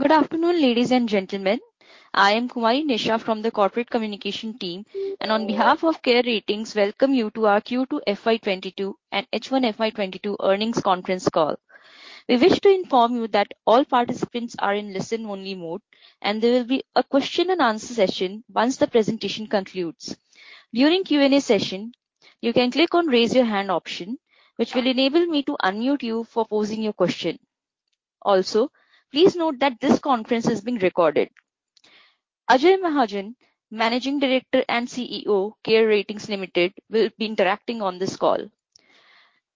Good afternoon, ladies and gentlemen. I am Kumari Nisha from the corporate communication team, and on behalf of CARE Ratings, welcome you to our Q2 FY 2022 and H1 FY 2022 earnings conference call. We wish to inform you that all participants are in listen-only mode, and there will be a question and answer session once the presentation concludes. During Q&A session, you can click on Raise Your Hand option, which will enable me to unmute you for posing your question. Also, please note that this conference is being recorded. Ajay Mahajan, Managing Director and CEO, CARE Ratings Limited, will be interacting on this call.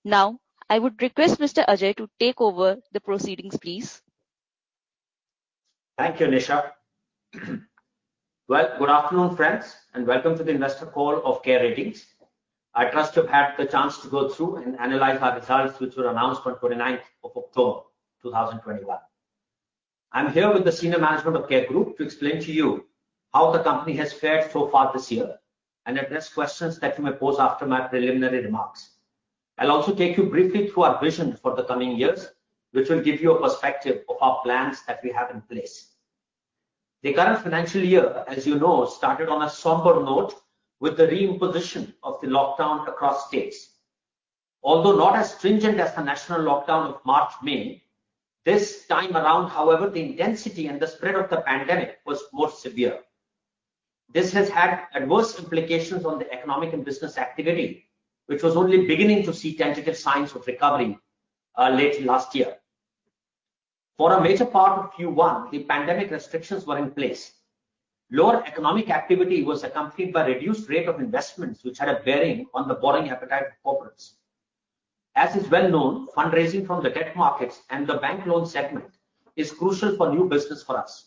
Now, I would request Mr. Ajay to take over the proceedings, please. Thank you, Nisha. Well, good afternoon, friends, and welcome to the investor call of CARE Ratings. I trust you've had the chance to go through and analyze our results, which were announced on 29th of October 2021. I'm here with the senior management of CARE Group to explain to you how the company has fared so far this year and address questions that you may pose after my preliminary remarks. I'll also take you briefly through our vision for the coming years, which will give you a perspective of our plans that we have in place. The current financial year, as you know, started on a somber note with the re-imposition of the lockdown across states. Although not as stringent as the national lockdown of March, May, this time around, however, the intensity and the spread of the pandemic was more severe. This has had adverse implications on the economic and business activity, which was only beginning to see tentative signs of recovery late last year. For a major part of Q1, the pandemic restrictions were in place. Lower economic activity was accompanied by reduced rate of investments, which had a bearing on the borrowing appetite of corporates. As is well known, fundraising from the debt markets and the bank loan segment is crucial for new business for us.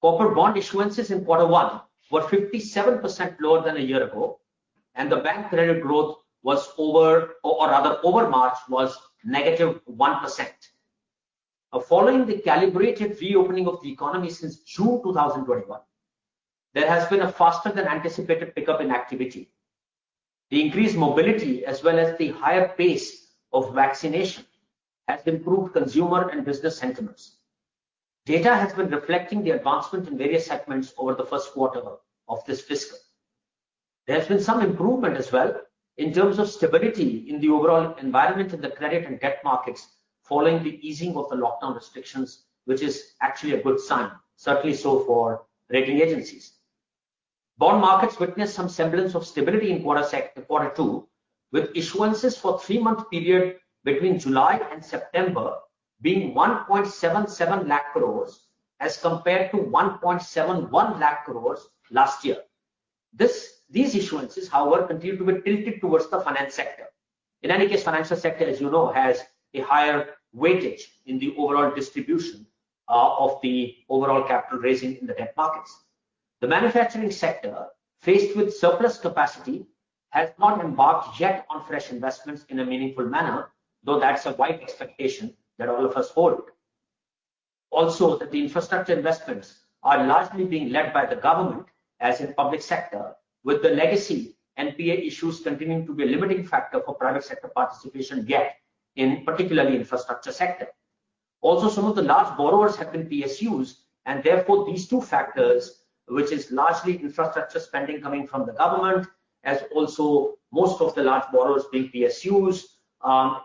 Corporate bond issuances in quarter one were 57% lower than a year ago, and the bank credit growth was, rather, over March -1%. Now following the calibrated reopening of the economy since June 2021, there has been a faster than anticipated pickup in activity. The increased mobility as well as the higher pace of vaccination has improved consumer and business sentiments. Data has been reflecting the advancement in various segments over the first quarter of this fiscal. There has been some improvement as well in terms of stability in the overall environment in the credit and debt markets following the easing of the lockdown restrictions, which is actually a good sign, certainly so for rating agencies. Bond markets witnessed some semblance of stability in quarter two, with issuances for three-month period between July and September being 1.77 lakh crore as compared to 1.71 lakh crore last year. These issuances, however, continue to be tilted towards the finance sector. In any case, financial sector, as you know, has a higher weightage in the overall distribution of the overall capital raising in the debt markets. The manufacturing sector, faced with surplus capacity, has not embarked yet on fresh investments in a meaningful manner, though that's a wide expectation that all of us hold. Also, the infrastructure investments are largely being led by the government as in public sector, with the legacy NPA issues continuing to be a limiting factor for private sector participation gap in particularly infrastructure sector. Also, some of the large borrowers have been PSUs, and therefore these two factors, which is largely infrastructure spending coming from the government, as also most of the large borrowers being PSUs,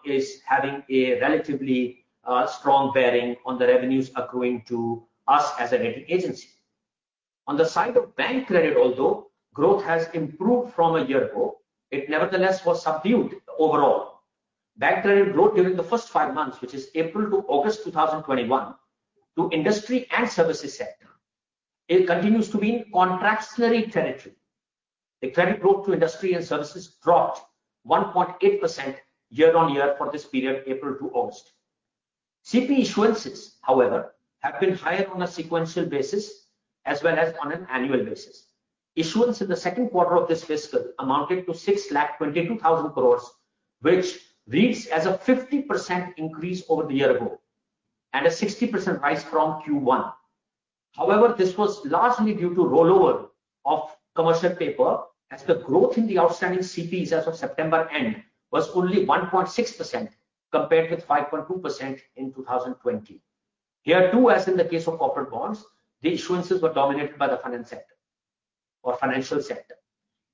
is having a relatively strong bearing on the revenues accruing to us as a rating agency. On the side of bank credit although, growth has improved from a year ago, it nevertheless was subdued overall. Bank credit growth during the first five months, which is April to August 2021, to industry and services sector continues to be in contractionary territory. The credit growth to industry and services dropped 1.8% year-on-year for this period, April to August. CP issuances, however, have been higher on a sequential basis as well as on an annual basis. Issuance in the second quarter of this fiscal amounted to 622,000 crore, which reads as a 50% increase over the year ago and a 60% rise from Q1. However, this was largely due to rollover of commercial paper as the growth in the outstanding CPs as of September end was only 1.6% compared with 5.2% in 2020. Here, too, as in the case of corporate bonds, the issuances were dominated by the finance sector or financial sector.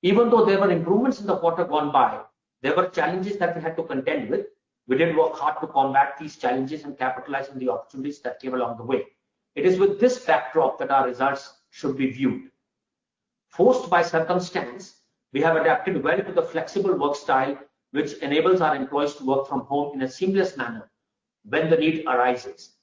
Even though there were improvements in the quarter gone by, there were challenges that we had to contend with. We did work hard to combat these challenges and capitalize on the opportunities that came along the way. It is with this backdrop that our results should be viewed. Forced by circumstance, we have adapted well to the flexible work style which enables our employees to work from home in a seamless manner when the need arises.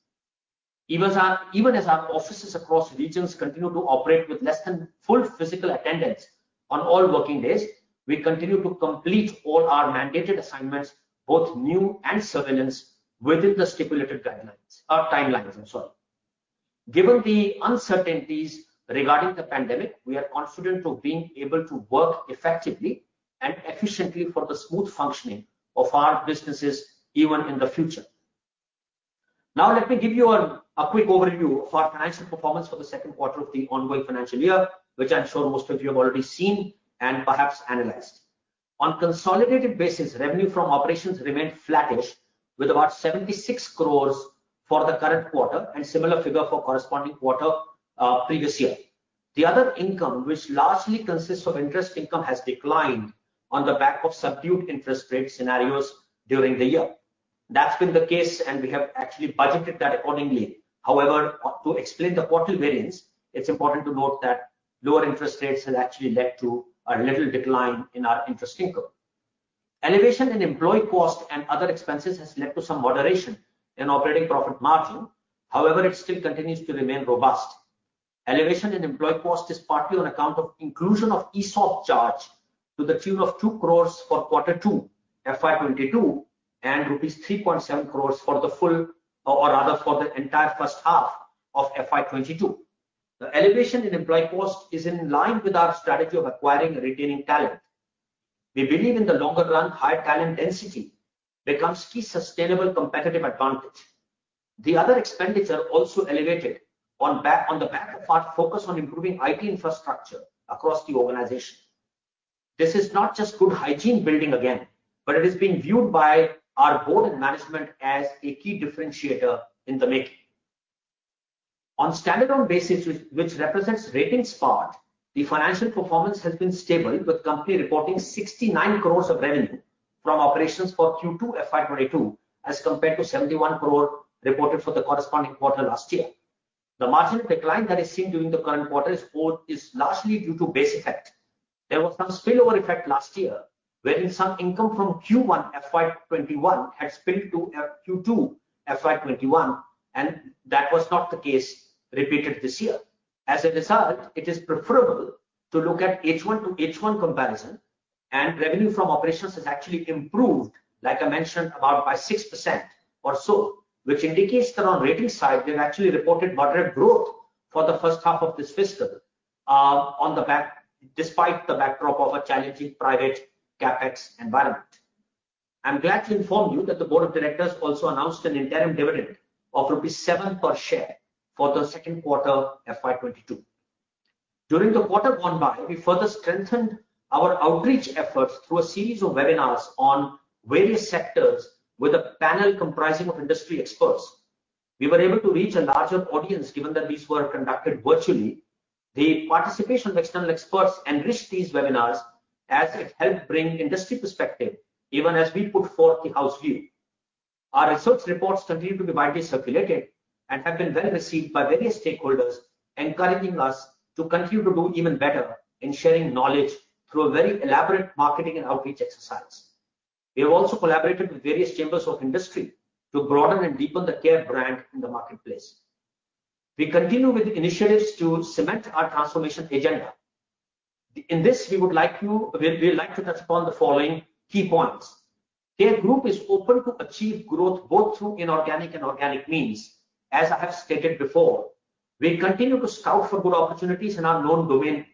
Even as our offices across regions continue to operate with less than full physical attendance on all working days, we continue to complete all our mandated assignments, both new and surveillance, within the stipulated guidelines, timelines, I'm sorry. Given the uncertainties regarding the pandemic, we are confident of being able to work effectively and efficiently for the smooth functioning of our businesses even in the future. Now let me give you a quick overview of our financial performance for the second quarter of the ongoing financial year, which I'm sure most of you have already seen and perhaps analyzed. On consolidated basis, revenue from operations remained flattish with about 76 crore for the current quarter and similar figure for corresponding quarter, previous year. The other income, which largely consists of interest income, has declined on the back of subdued interest rate scenarios during the year. That's been the case, and we have actually budgeted that accordingly. However, to explain the quarter variance, it's important to note that lower interest rates have actually led to a little decline in our interest income. Elevation in employee cost and other expenses has led to some moderation in operating profit margin. However, it still continues to remain robust. Elevation in employee cost is partly on account of inclusion of ESOP charge to the tune of 2 crore for Q2 FY 2022 and rupees 3.7 crore for the entire first half of FY 2022. The elevation in employee cost is in line with our strategy of acquiring and retaining talent. We believe in the longer run, higher talent density becomes key sustainable competitive advantage. The other expenditure also elevated on the back of our focus on improving IT infrastructure across the organization. This is not just good hygiene building again, but it is being viewed by our board and management as a key differentiator in the making. On standalone basis, which represents ratings part, the financial performance has been stable with company reporting 69 crores of revenue from operations for Q2 FY 2022 as compared to 71 crore reported for the corresponding quarter last year. The marginal decline that is seen during the current quarter is largely due to base effect. There was some spillover effect last year, wherein some income from Q1 FY 2021 had spilled to Q2 FY 2021, and that was not the case repeated this year. As a result, it is preferable to look at H1 to H1 comparison, and revenue from operations has actually improved, like I mentioned, about by 6% or so, which indicates that on rating side, we've actually reported moderate growth for the first half of this fiscal, despite the backdrop of a challenging private CapEx environment. I'm glad to inform you that the board of directors also announced an interim dividend of rupees 7 per share for the second quarter FY 2022. During the quarter gone by, we further strengthened our outreach efforts through a series of webinars on various sectors with a panel comprising of industry experts. We were able to reach a larger audience, given that these were conducted virtually. The participation of external experts enriched these webinars as it helped bring industry perspective, even as we put forth the house view. Our research reports continue to be widely circulated and have been well received by various stakeholders, encouraging us to continue to do even better in sharing knowledge through a very elaborate marketing and outreach exercise. We have also collaborated with various chambers of industry to broaden and deepen the CARE brand in the marketplace. We continue with initiatives to cement our transformation agenda. In this, we'd like to touch upon the following key points. CARE Group is open to achieve growth both through inorganic and organic means. As I have stated before, we continue to scout for good opportunities in our known domain.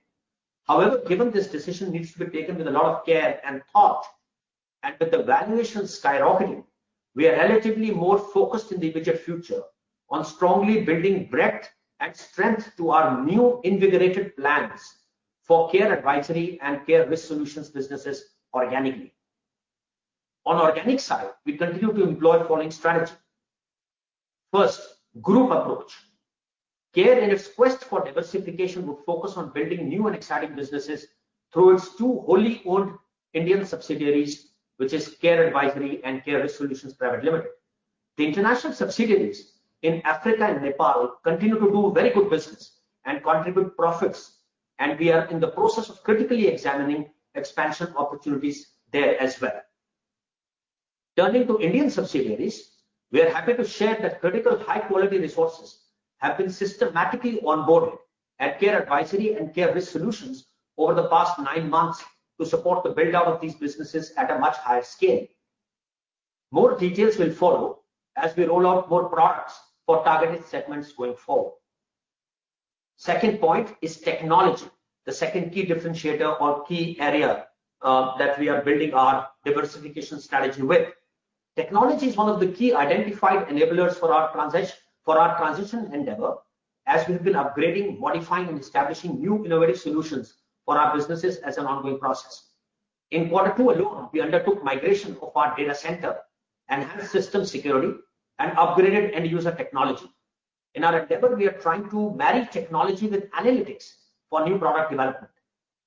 However, given this decision needs to be taken with a lot of care and thought, and with the valuations skyrocketing, we are relatively more focused in the immediate future on strongly building breadth and strength to our new invigorated plans for CARE Advisory and CARE Risk Solutions businesses organically. On organic side, we continue to employ the following strategy. First, group approach. CARE, in its quest for diversification, will focus on building new and exciting businesses through its two wholly owned Indian subsidiaries, which is CARE Advisory and CARE Risk Solutions Private Limited. The international subsidiaries in Africa and Nepal continue to do very good business and contribute profits, and we are in the process of critically examining expansion opportunities there as well. Turning to Indian subsidiaries, we are happy to share that critical high-quality resources have been systematically onboarded at CARE Advisory and CARE Risk Solutions over the past nine months to support the build-out of these businesses at a much higher scale. More details will follow as we roll out more products for targeted segments going forward. Second point is technology, the second key differentiator or key area, that we are building our diversification strategy with. Technology is one of the key identified enablers for our transition endeavor as we've been upgrading, modifying, and establishing new innovative solutions for our businesses as an ongoing process. In quarter two alone, we undertook migration of our data center, enhanced system security, and upgraded end-user technology. In our endeavor, we are trying to marry technology with analytics for new product development.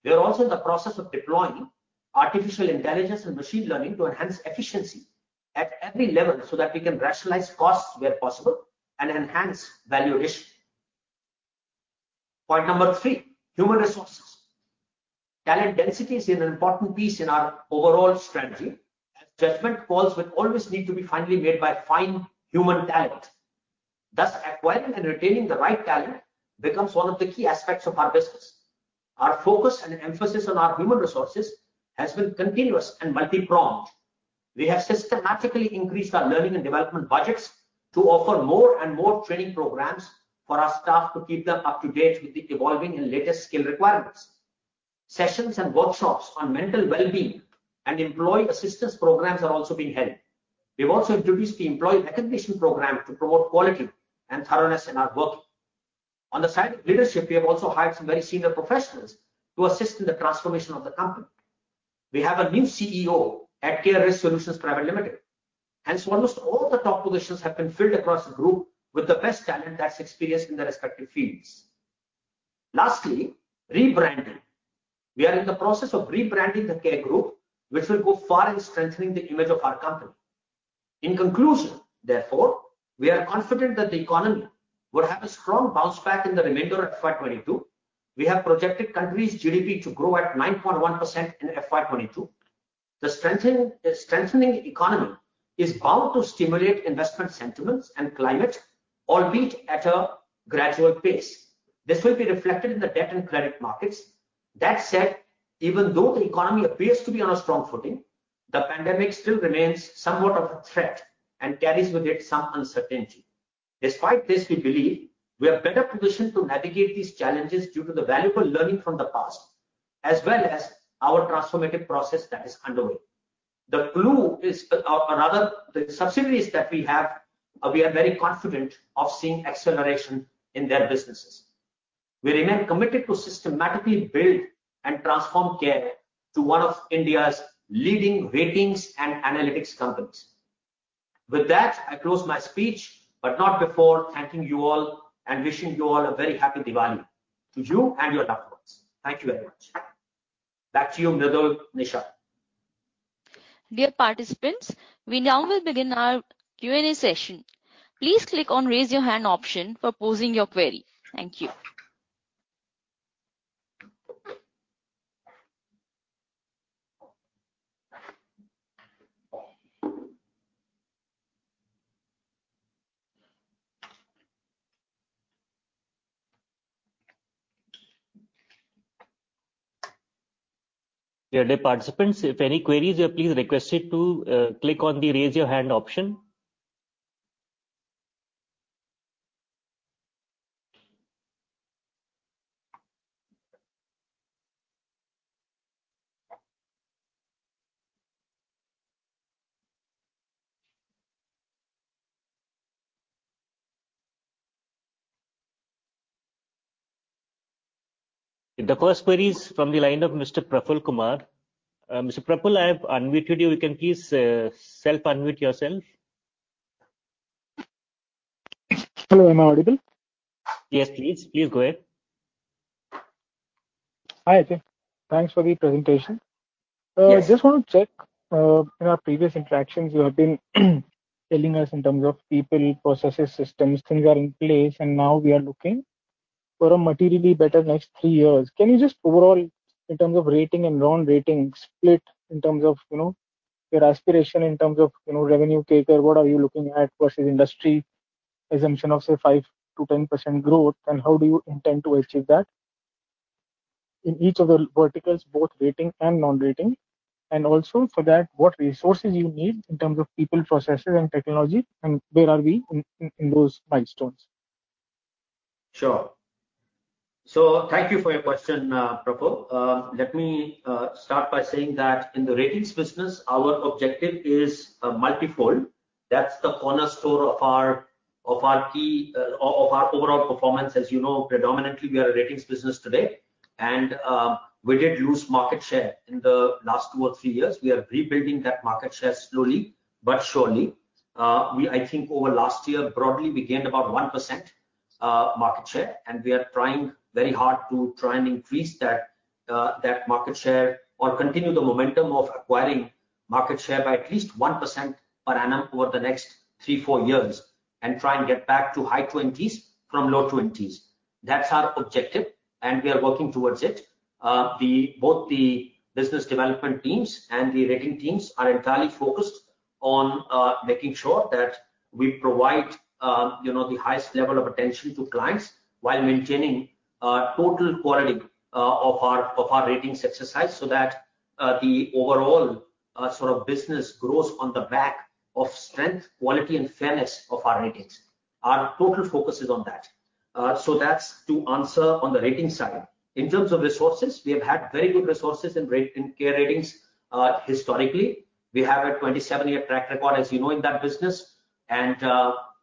We are also in the process of deploying artificial intelligence and machine learning to enhance efficiency at every level so that we can rationalize costs where possible and enhance value addition. Point number three, human resources. Talent density is an important piece in our overall strategy. Judgment calls will always need to be finally made by fine human talent. Thus, acquiring and retaining the right talent becomes one of the key aspects of our business. Our focus and emphasis on our human resources has been continuous and multi-pronged. We have systematically increased our learning and development budgets to offer more and more training programs for our staff to keep them up to date with the evolving and latest skill requirements. Sessions and workshops on mental well-being and employee assistance programs are also being held. We've also introduced the employee recognition program to promote quality and thoroughness in our work. On the side of leadership, we have also hired some very senior professionals to assist in the transformation of the company. We have a new CEO at CARE Risk Solutions Private Limited, and so almost all the top positions have been filled across the group with the best talent that's experienced in their respective fields. Lastly, rebranding. We are in the process of rebranding the CARE Group, which will go far in strengthening the image of our company. In conclusion, therefore, we are confident that the economy will have a strong bounce back in the remainder of FY 2022. We have projected country's GDP to grow at 9.1% in FY 2022. The strengthening economy is bound to stimulate investment sentiments and climate, albeit at a gradual pace. This will be reflected in the debt and credit markets. That said, even though the economy appears to be on a strong footing, the pandemic still remains somewhat of a threat and carries with it some uncertainty. Despite this, we believe we are better positioned to navigate these challenges due to the valuable learning from the past, as well as our transformative process that is underway. Or rather, the subsidiaries that we have, we are very confident of seeing acceleration in their businesses. We remain committed to systematically build and transform CARE to one of India's leading ratings and analytics companies. With that, I close my speech, but not before thanking you all and wishing you all a very happy Diwali to you and your loved ones. Thank you very much. Back to you, Mradul, Nisha. Dear participants, we now will begin our Q&A session. Please click on raise your hand option for posing your query. Thank you. Dear participants, if any queries, you are please requested to click on the raise your hand option. The first query is from the line of Mr. Praful Kumar. Mr. Praful, I have unmuted you. You can please self-unmute yourself. Hello, am I audible? Yes, please. Please go ahead. Hi, Ajay. Thanks for the presentation. Yes. Just want to check. In our previous interactions, you have been telling us in terms of people, processes, systems, things are in place, and now we are looking for a materially better next three years. Can you just overall in terms of rating and non-rating split in terms of, you know, your aspiration in terms of, you know, revenue, take or what are you looking at versus industry assumption of say 5%-10% growth, and how do you intend to achieve that in each of the verticals, both rating and non-rating? Also for that, what resources you need in terms of people, processes and technology, and where are we in those milestones? Sure. Thank you for your question, Praful. Let me start by saying that in the ratings business, our objective is multifold. That's the cornerstone of our overall performance. As you know, predominantly, we are a ratings business today, and we did lose market share in the last two or three years. We are rebuilding that market share slowly but surely. I think over last year, broadly, we gained about 1% market share, and we are trying very hard to increase that market share or continue the momentum of acquiring market share by at least 1% per annum over the next three, four years and try and get back to high twenties from low twenties. That's our objective, and we are working towards it. Both the business development teams and the rating teams are entirely focused on making sure that we provide, you know, the highest level of attention to clients while maintaining total quality of our ratings exercise, so that the overall sort of business grows on the back of strength, quality and fairness of our ratings. Our total focus is on that. That's to answer on the rating side. In terms of resources, we have had very good resources in CARE Ratings historically. We have a 27-year track record, as you know, in that business.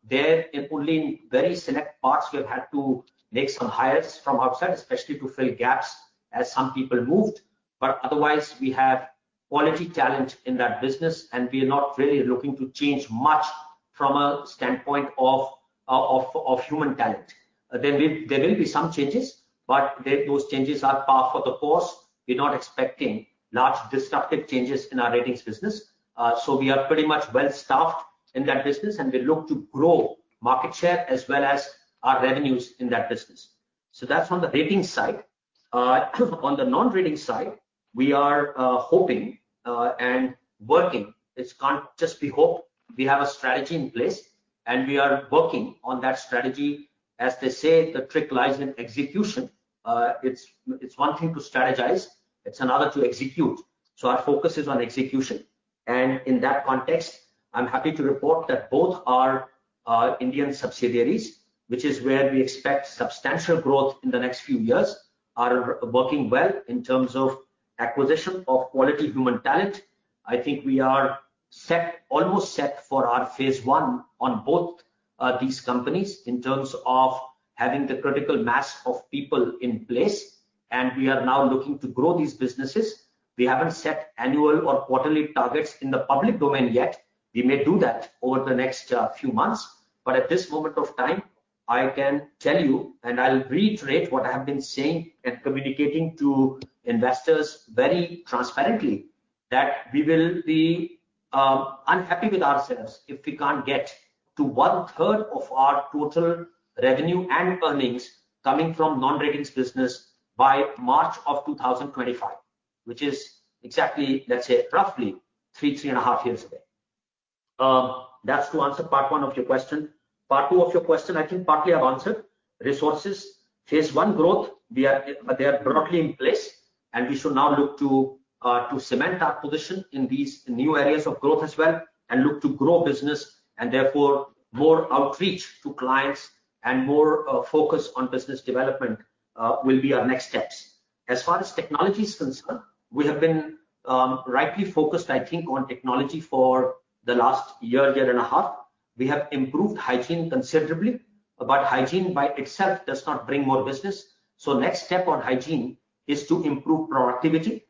There, only in very select parts, we have had to make some hires from outside, especially to fill gaps as some people moved. Otherwise, we have quality talent in that business, and we are not really looking to change much from a standpoint of human talent. There will be some changes, but those changes are par for the course. We're not expecting large disruptive changes in our ratings business. So we are pretty much well-staffed in that business, and we look to grow market share as well as our revenues in that business. That's on the ratings side. On the non-rating side, we are hoping and working. It can't just be hope. We have a strategy in place, and we are working on that strategy. As they say, the trick lies in execution. It's one thing to strategize, it's another to execute. Our focus is on execution. In that context, I'm happy to report that both our Indian subsidiaries, which is where we expect substantial growth in the next few years, are working well in terms of acquisition of quality human talent. I think we are almost set for our phase one on both these companies in terms of having the critical mass of people in place, and we are now looking to grow these businesses. We haven't set annual or quarterly targets in the public domain yet. We may do that over the next few months. At this moment of time, I can tell you, and I'll reiterate what I have been saying and communicating to investors very transparently, that we will be unhappy with ourselves if we can't get to one-third of our total revenue and earnings coming from non-ratings business by March 2025, which is exactly, let's say, roughly three and a half years away. That's to answer part one of your question. Part two of your question, I think partly I've answered. Resources, phase one growth, they are broadly in place, and we should now look to cement our position in these new areas of growth as well and look to grow business and therefore more outreach to clients and more focus on business development will be our next steps. As far as technology is concerned, we have been rightly focused, I think, on technology for the last year and a half. We have improved hygiene considerably. Hygiene by itself does not bring more business. Next step on hygiene is to improve productivity.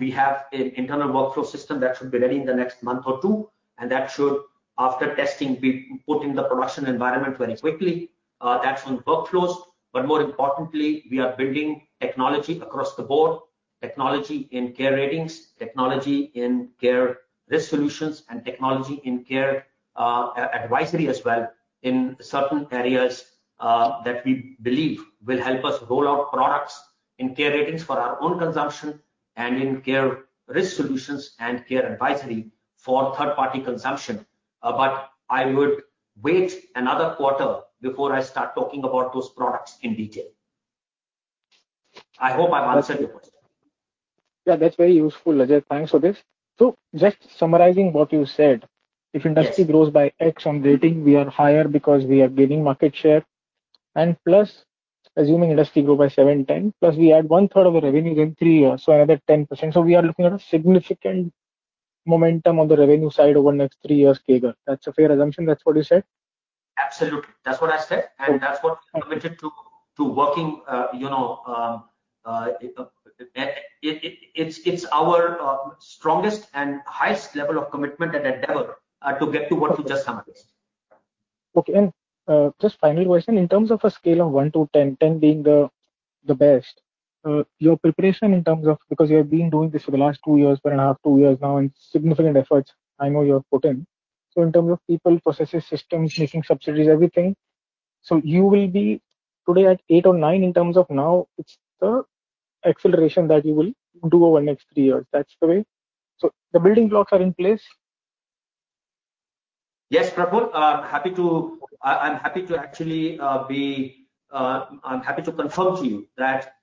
We have an internal workflow system that should be ready in the next month or two, and that should, after testing, be put in the production environment very quickly. That's on workflows. More importantly, we are building technology across the board. Technology in CARE Ratings, technology in CARE Risk Solutions, and technology in CARE advisory as well in certain areas that we believe will help us roll out products in CARE Ratings for our own consumption and in CARE Risk Solutions and CARE advisory for third-party consumption. I would wait another quarter before I start talking about those products in detail. I hope I've answered your question. Yeah, that's very useful, Ajay. Thanks for this. Just summarizing what you said. Yes. If industry grows by X on rating, we are higher because we are gaining market share. Plus, assuming industry grow by 7 times, plus we add one-third of the revenue in 3 years, so another 10%. We are looking at a significant momentum on the revenue side over the next 3 years CAGR. That's a fair assumption. That's what you said? Absolutely. That's what I said, and that's what we are committed to working. You know, it's our strongest and highest level of commitment and endeavor to get to what you just summarized. Okay. Just final question. In terms of a scale of 1 to 10 being the best, your preparation, because you have been doing this for the last 2 years, 1.5, 2 years now, and significant efforts I know you have put in. In terms of people, processes, systems, making subsidiaries, everything. You will be today at 8 or 9 in terms of now it's the acceleration that you will do over the next 3 years. That's the way? The building blocks are in place. Yes, Praful. I'm happy to actually confirm to you that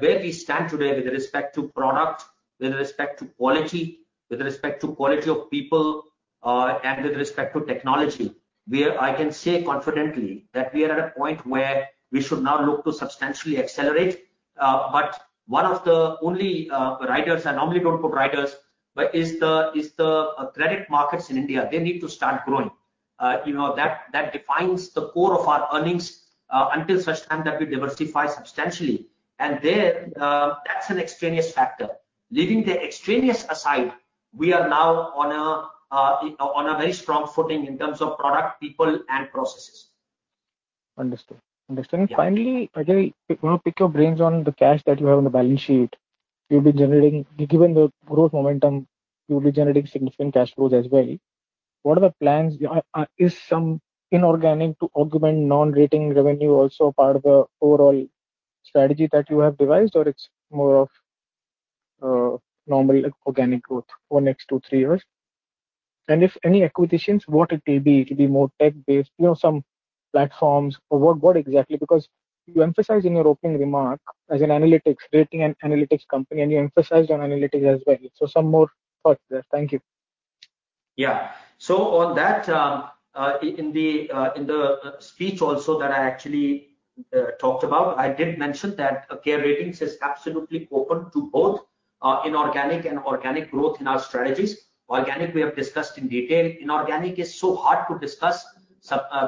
where we stand today with respect to product, with respect to quality of people, and with respect to technology, I can say confidently that we are at a point where we should now look to substantially accelerate. One of the only riders, and I'm only going to put riders, but is the credit markets in India. They need to start growing. You know, that defines the core of our earnings until such time that we diversify substantially. That's an extraneous factor. Leaving the extraneous aside, we are now on a very strong footing in terms of product, people, and processes. Understood. Yeah. Finally, Ajay, I want to pick your brains on the cash that you have on the balance sheet. Given the growth momentum, you'll be generating significant cash flows as well. What are the plans? Is some inorganic to augment non-rating revenue also part of the overall strategy that you have devised, or it's more of normal organic growth for next two, three years? If any acquisitions, what it will be? It'll be more tech-based, you know, some platforms or what exactly? Because you emphasized in your opening remark as an analytics, ratings and analytics company, and you emphasized on analytics as well. Some more thoughts there. Thank you. Yeah. On that, in the speech also that I actually talked about, I did mention that CARE Ratings is absolutely open to both, inorganic and organic growth in our strategies. Organic, we have discussed in detail. Inorganic is so hard to discuss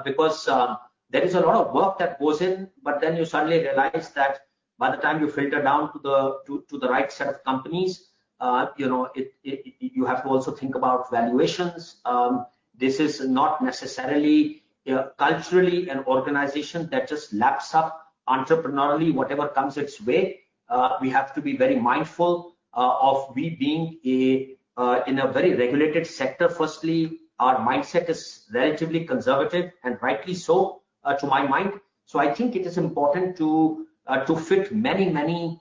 because there is a lot of work that goes in, but then you suddenly realize that by the time you filter down to the right set of companies, you know, you have to also think about valuations. This is not necessarily culturally an organization that just laps up entrepreneurially whatever comes its way. We have to be very mindful of our being in a very regulated sector. Firstly, our mindset is relatively conservative, and rightly so, to my mind. I think it is important to fit many you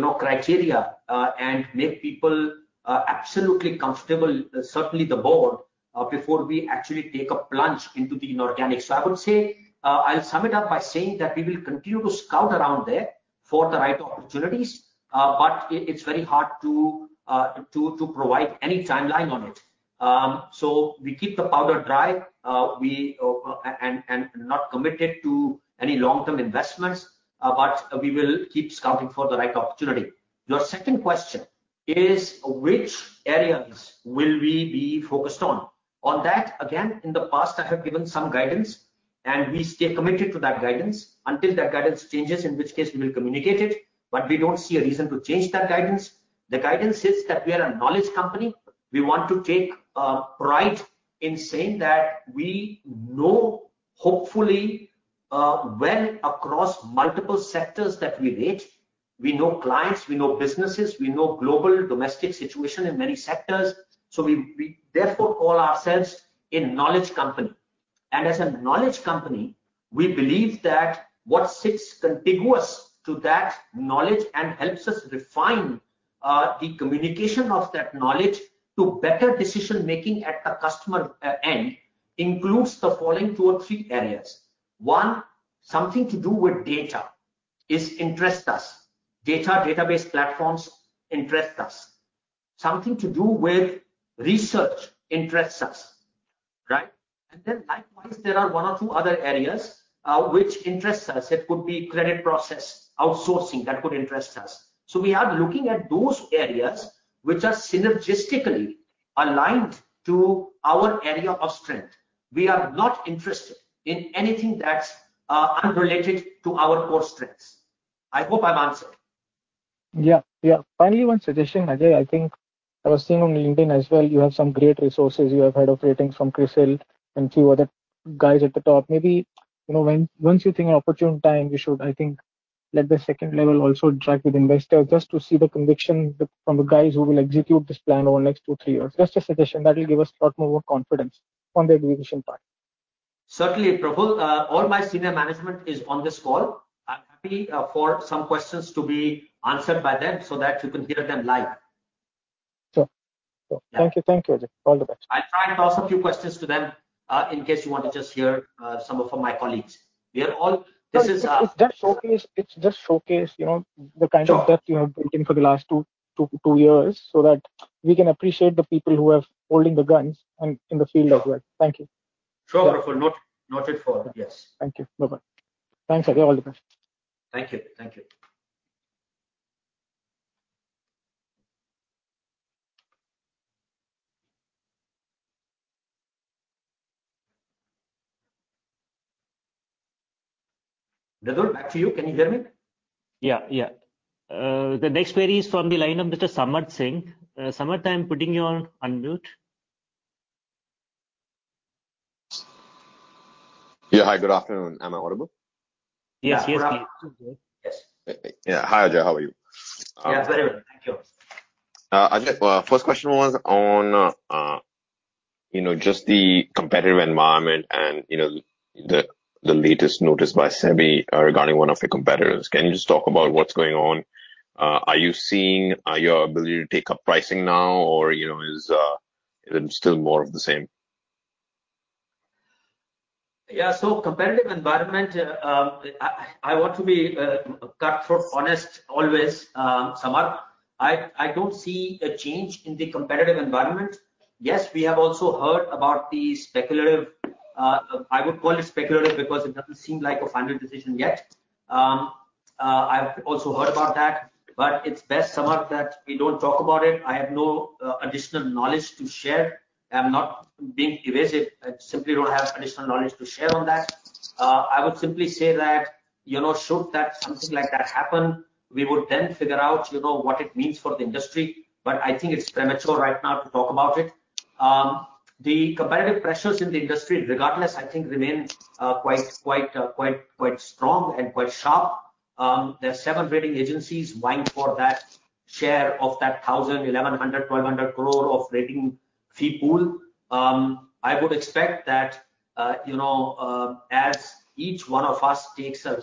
know criteria and make people absolutely comfortable, certainly the board, before we actually take a plunge into the inorganic. I would say I'll sum it up by saying that we will continue to scout around there for the right opportunities, but it's very hard to provide any timeline on it. We keep the powder dry and not committed to any long-term investments, but we will keep scouting for the right opportunity. Your second question is which areas will we be focused on? On that, again, in the past I have given some guidance, and we stay committed to that guidance until that guidance changes, in which case we will communicate it. We don't see a reason to change that guidance. The guidance is that we are a knowledge company. We want to take pride in saying that we know, hopefully, well across multiple sectors that we rate. We know clients, we know businesses, we know global domestic situation in many sectors. We therefore call ourselves a knowledge company. As a knowledge company, we believe that what sits contiguous to that knowledge and helps us refine the communication of that knowledge to better decision-making at a customer end includes the following two or three areas. One, something to do with data interests us. Data database platforms interest us. Something to do with research interests us, right? Then likewise, there are one or two other areas, which interest us. It could be credit process outsourcing that could interest us. We are looking at those areas which are synergistically aligned to our area of strength. We are not interested in anything that's unrelated to our core strengths. I hope I've answered. Finally, one suggestion, Ajay. I think I was seeing on LinkedIn as well, you have some great resources. You have head of ratings from CRISIL and few other guys at the top. Maybe, you know, when you think an opportune time, you should, I think, let the second level also interact with investors just to see the conviction from the guys who will execute this plan over the next two, three years. Just a suggestion that will give us a lot more confidence on the execution part. Certainly, Praful. All my senior management is on this call. I'm happy for some questions to be answered by them so that you can hear them live. Sure. Yeah. Thank you. Thank you, Ajay. All the best. I'll try and toss a few questions to them, in case you want to just hear some from my colleagues. No, it just showcase, you know, the kind of- Sure. The depth you have built in for the last two years, so that we can appreciate the people who have holding the guns in the field of work. Thank you. Sure, Praful. Noted for. Yes. Thank you. Bye-bye. Thanks, Ajay. All the best. Thank you. Mradul, back to you. Can you hear me? Yeah, yeah. The next query is from the line of Mr. Samarth Singh. Samarth, I'm putting you on unmute. Yeah, hi. Good afternoon. Am I audible? Yes. Yes. Yeah. Hi, Ajay. How are you? Yeah, very well. Thank you. Ajay, first question was on, you know, just the competitive environment and, you know, the latest notice by SEBI regarding one of your competitors. Can you just talk about what's going on? Are you seeing your ability to take up pricing now or, you know, is still more of the same? Yeah. Competitive environment, I want to be cutthroat honest always, Samarth. I don't see a change in the competitive environment. Yes, we have also heard about the speculative, I would call it speculative because it doesn't seem like a final decision yet. I've also heard about that. It's best, Samarth, that we don't talk about it. I have no additional knowledge to share. I'm not being evasive. I simply don't have additional knowledge to share on that. I would simply say that, you know, should that something like that happen, we would then figure out, you know, what it means for the industry. I think it's premature right now to talk about it. The competitive pressures in the industry, regardless, I think remain quite strong and quite sharp. There are seven rating agencies vying for that share of that 1,000, 1,100, 1,200 crore of rating fee pool. I would expect that, you know, as each one of us takes a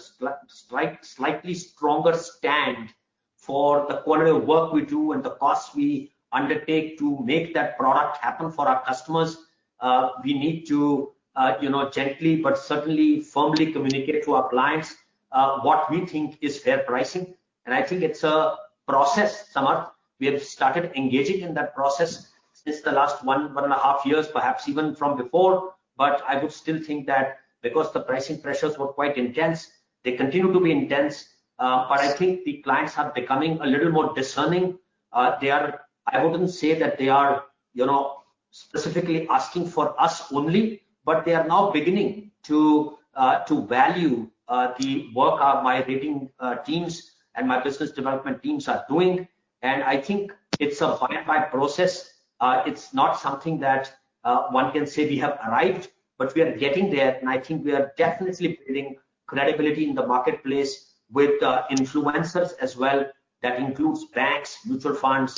slightly stronger stand for the quality of work we do and the costs we undertake to make that product happen for our customers, we need to, you know, gently but certainly firmly communicate to our clients what we think is fair pricing. I think it's a process, Samarth. We have started engaging in that process since the last one and a half years, perhaps even from before. I would still think that because the pricing pressures were quite intense, they continue to be intense. I think the clients are becoming a little more discerning. I wouldn't say that they are, you know, specifically asking for us only, but they are now beginning to value the work my rating teams and my business development teams are doing. I think it's a point-by-point process. It's not something that one can say we have arrived, but we are getting there. I think we are definitely building credibility in the marketplace with influencers as well. That includes banks, mutual funds,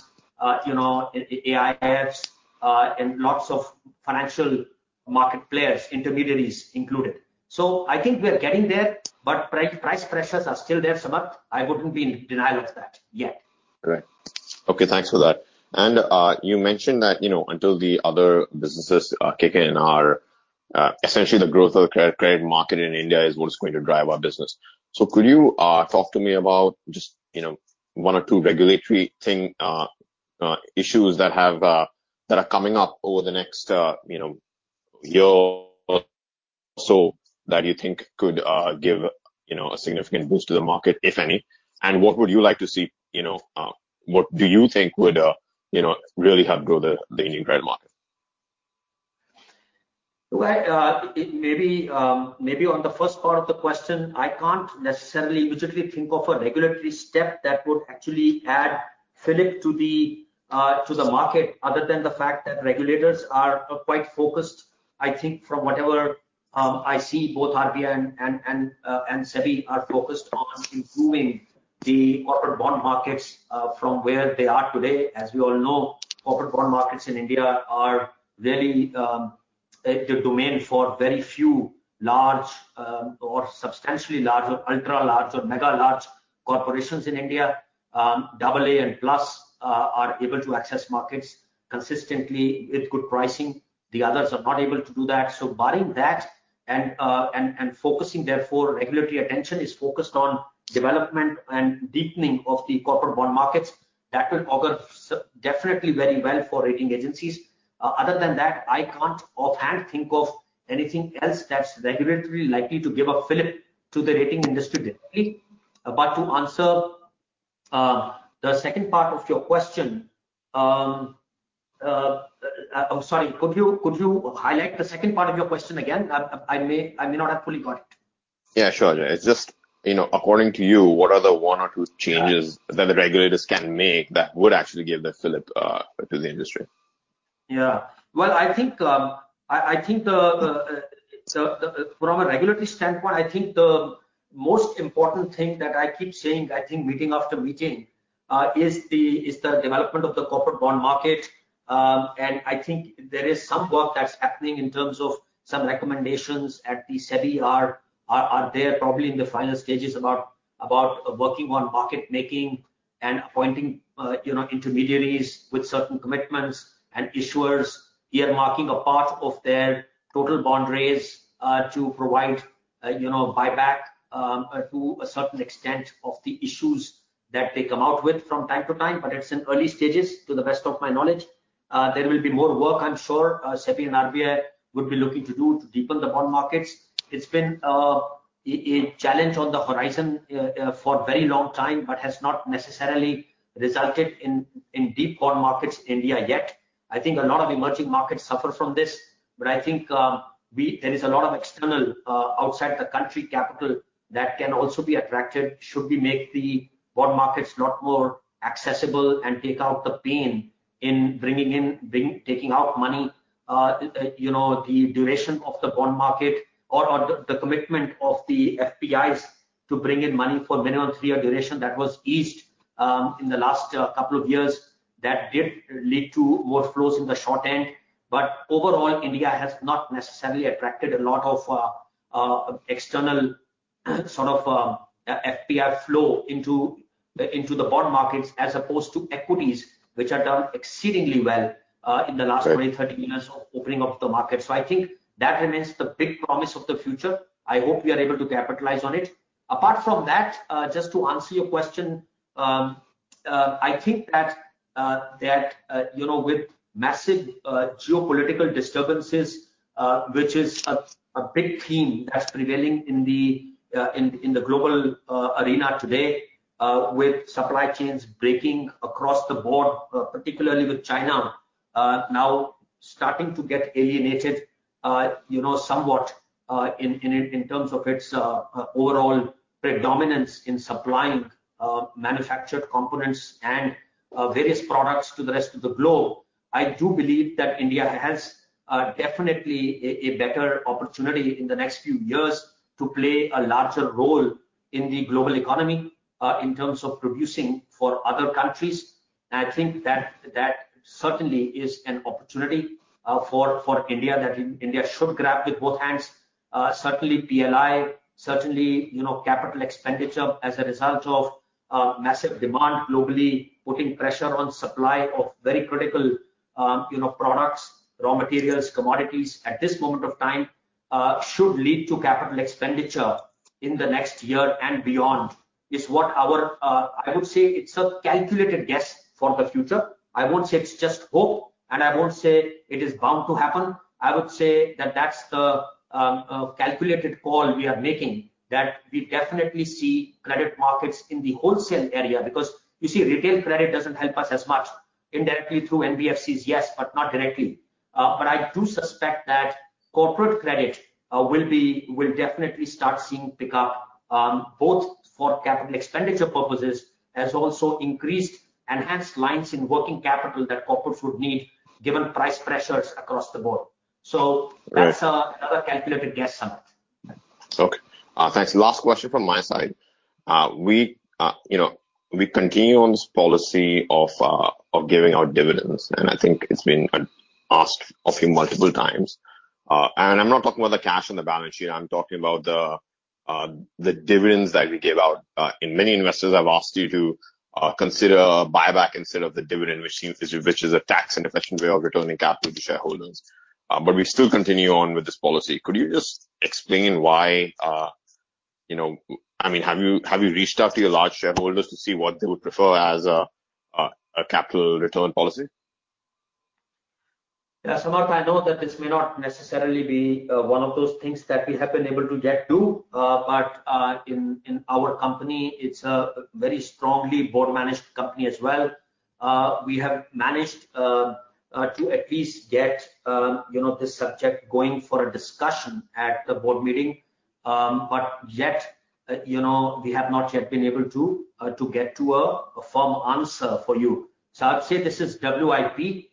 you know, AIFs, and lots of financial market players, intermediaries included. I think we are getting there, but price pressures are still there, Samarth. I wouldn't be in denial of that yet. Correct. Okay. Thanks for that. You mentioned that, you know, until the other businesses kick in, or essentially the growth of the credit market in India is what is going to drive our business. Could you talk to me about just, you know, one or two regulatory things or issues that are coming up over the next, you know, year or so that you think could give, you know, a significant boost to the market, if any? What would you like to see, you know, what do you think would, you know, really help grow the Indian credit market? Well, maybe on the first part of the question, I can't necessarily immediately think of a regulatory step that would actually add fillip to the market other than the fact that regulators are quite focused. I think from whatever I see both RBI and SEBI are focused on improving the corporate bond markets from where they are today. As we all know, corporate bond markets in India are very a domain for very few large or substantially large or ultra large or mega large corporations in India. Double A and plus are able to access markets consistently with good pricing. The others are not able to do that. Barring that and focusing therefore regulatory attention is focused on development and deepening of the corporate bond markets. That will augur definitely very well for rating agencies. Other than that, I can't offhand think of anything else that's regulatory likely to give a fillip to the rating industry directly. To answer the second part of your question, I'm sorry, could you highlight the second part of your question again? I may not have fully got it. Yeah, sure. It's just, you know, according to you, what are the one or two changes? Right. -that the regulators can make that would actually give the fillip to the industry? Yeah. Well, I think it's from a regulatory standpoint. I think the most important thing that I keep saying, I think meeting after meeting, is the development of the corporate bond market. I think there is some work that's happening in terms of some recommendations at the SEBI that are there probably in the final stages about working on market making and appointing, you know, intermediaries with certain commitments and issuers earmarking a part of their total bond raise to provide, you know, buyback to a certain extent of the issues that they come out with from time to time. It's in early stages, to the best of my knowledge. There will be more work, I'm sure, SEBI and RBI would be looking to do to deepen the bond markets. It's been a challenge on the horizon for very long time but has not necessarily resulted in deep bond markets in India yet. I think a lot of emerging markets suffer from this. I think there is a lot of external outside the country capital that can also be attracted should we make the bond markets lot more accessible and take out the pain in taking out money. You know, the duration of the bond market or the commitment of the FPIs to bring in money for minimum three-year duration that was eased in the last couple of years. That did lead to more flows in the short end. Overall, India has not necessarily attracted a lot of external sort of FPI flow into the bond markets as opposed to equities, which have done exceedingly well in the last- Right. 20, 30 years of opening up the market. I think that remains the big promise of the future. I hope we are able to capitalize on it. Apart from that, just to answer your question. I think that you know, with massive geopolitical disturbances, which is a big theme that's prevailing in the global arena today, with supply chains breaking across the board, particularly with China now starting to get alienated, you know, somewhat, in terms of its overall predominance in supplying manufactured components and various products to the rest of the globe. I do believe that India has definitely a better opportunity in the next few years to play a larger role in the global economy, in terms of producing for other countries. I think that certainly is an opportunity for India that India should grab with both hands. Certainly PLI, certainly, you know, capital expenditure as a result of massive demand globally, putting pressure on supply of very critical, you know, products, raw materials, commodities at this moment of time, should lead to capital expenditure in the next year and beyond is what I would say it's a calculated guess for the future. I won't say it's just hope, and I won't say it is bound to happen. I would say that that's the calculated call we are making, that we definitely see credit markets in the wholesale area. Because you see, retail credit doesn't help us as much. Indirectly through NBFCs, yes, but not directly. I do suspect that corporate credit will definitely start seeing pickup both for capital expenditure purposes, as also increased enhanced lines in working capital that corporates would need given price pressures across the board. That's another calculated guess, Samarth. Okay. Thanks. Last question from my side. We, you know, continue on this policy of giving out dividends, and I think it's been asked a few multiple times. I'm not talking about the cash on the balance sheet, I'm talking about the dividends that we gave out, and many investors have asked you to consider a buyback instead of the dividend, which is a tax inefficient way of returning capital to shareholders. We still continue on with this policy. Could you just explain why, you know? I mean, have you reached out to your large shareholders to see what they would prefer as a capital return policy? Yeah. Samarth, I know that this may not necessarily be one of those things that we have been able to get to. In our company, it's a very strongly board managed company as well. We have managed to at least get you know this subject going for a discussion at the board meeting. Yet you know we have not yet been able to get to a firm answer for you. I would say this is WIP,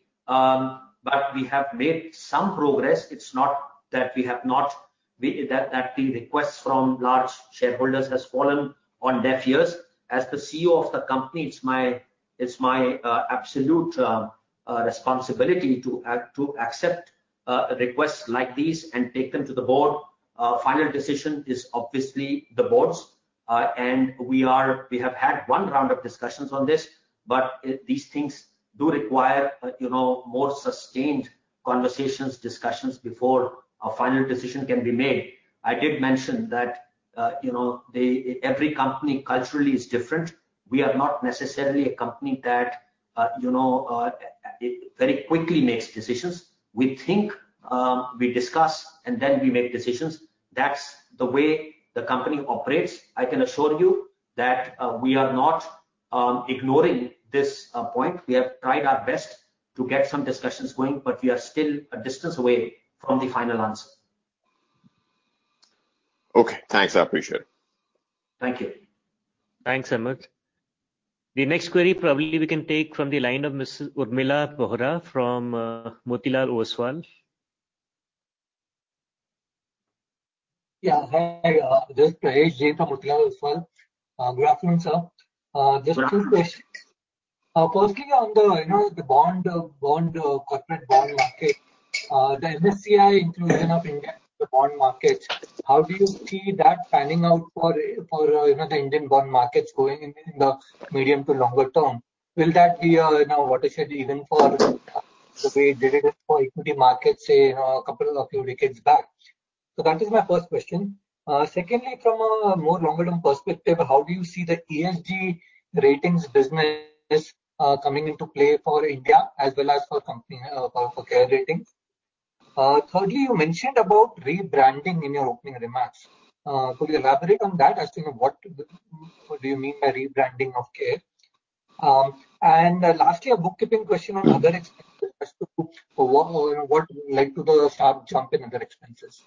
but we have made some progress. It's not that the request from large shareholders has fallen on deaf ears. As the CEO of the company, it's my absolute responsibility to accept requests like these and take them to the board. Final decision is obviously the board's. We have had one round of discussions on this, but these things do require, you know, more sustained conversations, discussions before a final decision can be made. I did mention that every company culturally is different. We are not necessarily a company that very quickly makes decisions. We think, we discuss, and then we make decisions. That's the way the company operates. I can assure you that we are not ignoring this point. We have tried our best to get some discussions going, but we are still a distance away from the final answer. Okay, thanks. I appreciate it. Thank you. Thanks, Samarth. The next query probably we can take from the line of Mrs. Urmila Bohra from Motilal Oswal. Hi, this is Prayesh Jain from Motilal Oswal. Good afternoon, sir. Just two questions. Firstly, on the, you know, the corporate bond market. The MSCI inclusion of India in the bond market, how do you see that panning out for, you know, the Indian bond markets going in the medium to longer term? Will that be a, you know, watershed event for the way it did it for equity markets, say, you know, a couple of few decades back? That is my first question. Secondly, from a more longer-term perspective, how do you see the ESG ratings business coming into play for India as well as for the company, for CARE Ratings? Thirdly, you mentioned about rebranding in your opening remarks. Could you elaborate on that as to what do you mean by rebranding of CARE? Lastly, a bookkeeping question on other expenses as to what, you know, what led to the sharp jump in other expenses?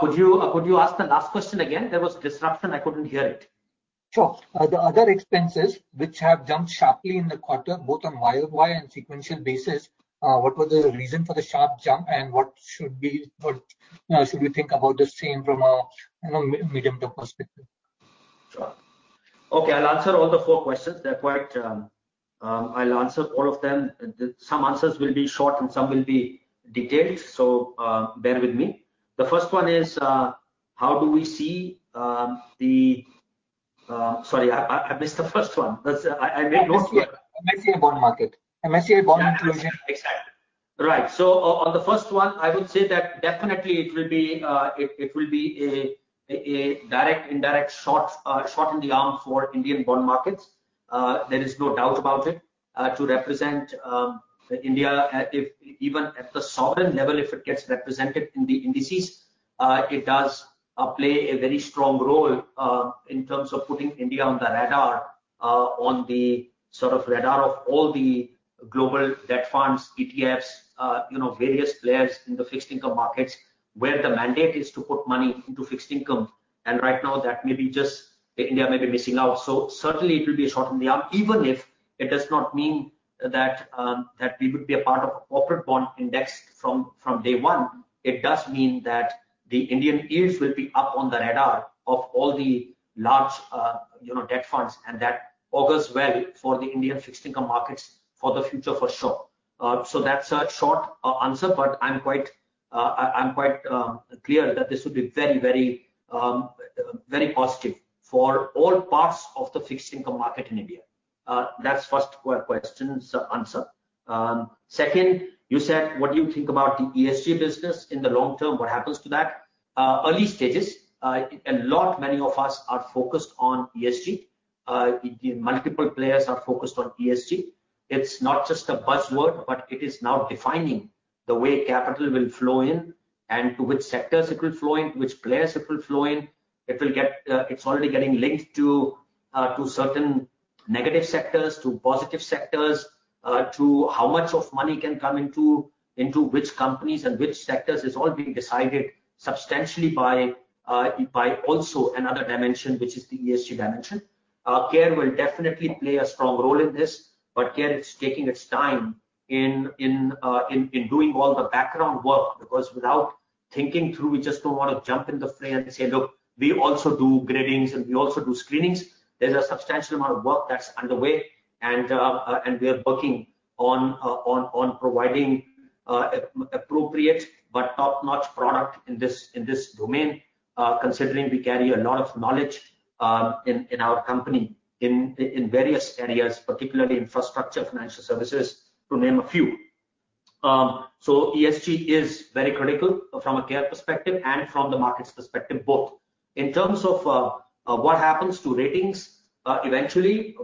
Could you ask the last question again? There was disruption. I couldn't hear it. Sure. The other expenses which have jumped sharply in the quarter, both on YOY and sequential basis, what was the reason for the sharp jump, and what should we think about the same from a, you know, medium-term perspective? Sure. Okay, I'll answer all the four questions. They're quite. I'll answer all of them. Some answers will be short and some will be detailed, so bear with me. The first one is, how do we see, the. Sorry, I missed the first one. That's. I made notes here. MSCI bond market. MSCI bond inclusion. Exactly. Right. On the first one, I would say that definitely it will be a direct, indirect shot in the arm for Indian bond markets. There is no doubt about it. To represent India, even at the sovereign level if it gets represented in the indices, it does play a very strong role in terms of putting India on the radar of all the global debt funds, ETFs, you know, various players in the fixed income markets where the mandate is to put money into fixed income. Right now that may be just India may be missing out. Certainly it will be a shot in the arm. Even if it does not mean that that we would be a part of corporate bond index from day one, it does mean that the Indian yields will be up on the radar of all the large, you know, debt funds. That bodes well for the Indian fixed income markets for the future for sure. That's a short answer, but I'm quite clear that this would be very positive for all parts of the fixed income market in India. That's first question's answer. Second, you said, what do you think about the ESG business in the long term? What happens to that? Early stages. A lot many of us are focused on ESG. Multiple players are focused on ESG. It's not just a buzzword, but it is now defining the way capital will flow in and to which sectors it will flow in, which players it will flow in. It's already getting linked to certain negative sectors, to positive sectors, to how much of money can come into which companies and which sectors is all being decided substantially by also another dimension, which is the ESG dimension. CARE will definitely play a strong role in this, but CARE is taking its time in doing all the background work. Because without thinking through, we just don't want to jump in the fray and say, "Look, we also do gradings, and we also do screenings." There's a substantial amount of work that's underway. We are working on providing appropriate but top-notch product in this domain, considering we carry a lot of knowledge in our company in various areas, particularly infrastructure, financial services, to name a few. ESG is very critical from a CARE perspective and from the market's perspective both. In terms of what happens to ratings eventually,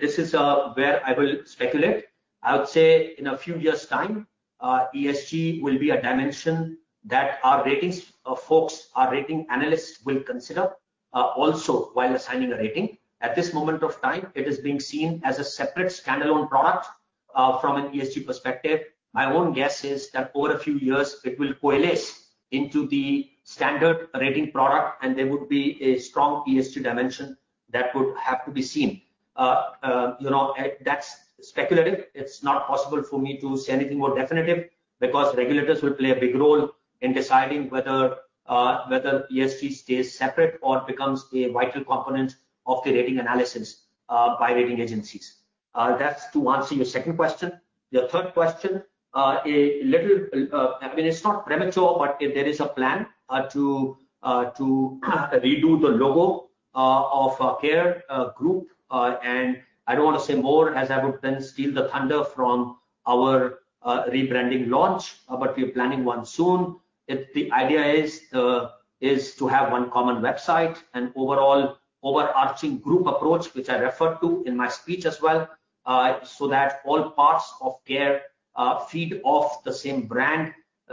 this is where I will speculate. I would say in a few years time, ESG will be a dimension that our ratings folks, our rating analysts will consider also while assigning a rating. At this moment of time, it is being seen as a separate standalone product from an ESG perspective. My own guess is that over a few years, it will coalesce into the standard rating product, and there would be a strong ESG dimension that would have to be seen. You know, that's speculative. It's not possible for me to say anything more definitive because regulators will play a big role in deciding whether ESG stays separate or becomes a vital component of the rating analysis by rating agencies. That's to answer your second question. Your third question. A little, I mean, it's not premature, but there is a plan to redo the logo of CARE Group. I don't want to say more, as I would then steal the thunder from our rebranding launch. We are planning one soon. The idea is to have one common website and overall overarching group approach, which I referred to in my speech as well, so that all parts of CARE feed off the same brand.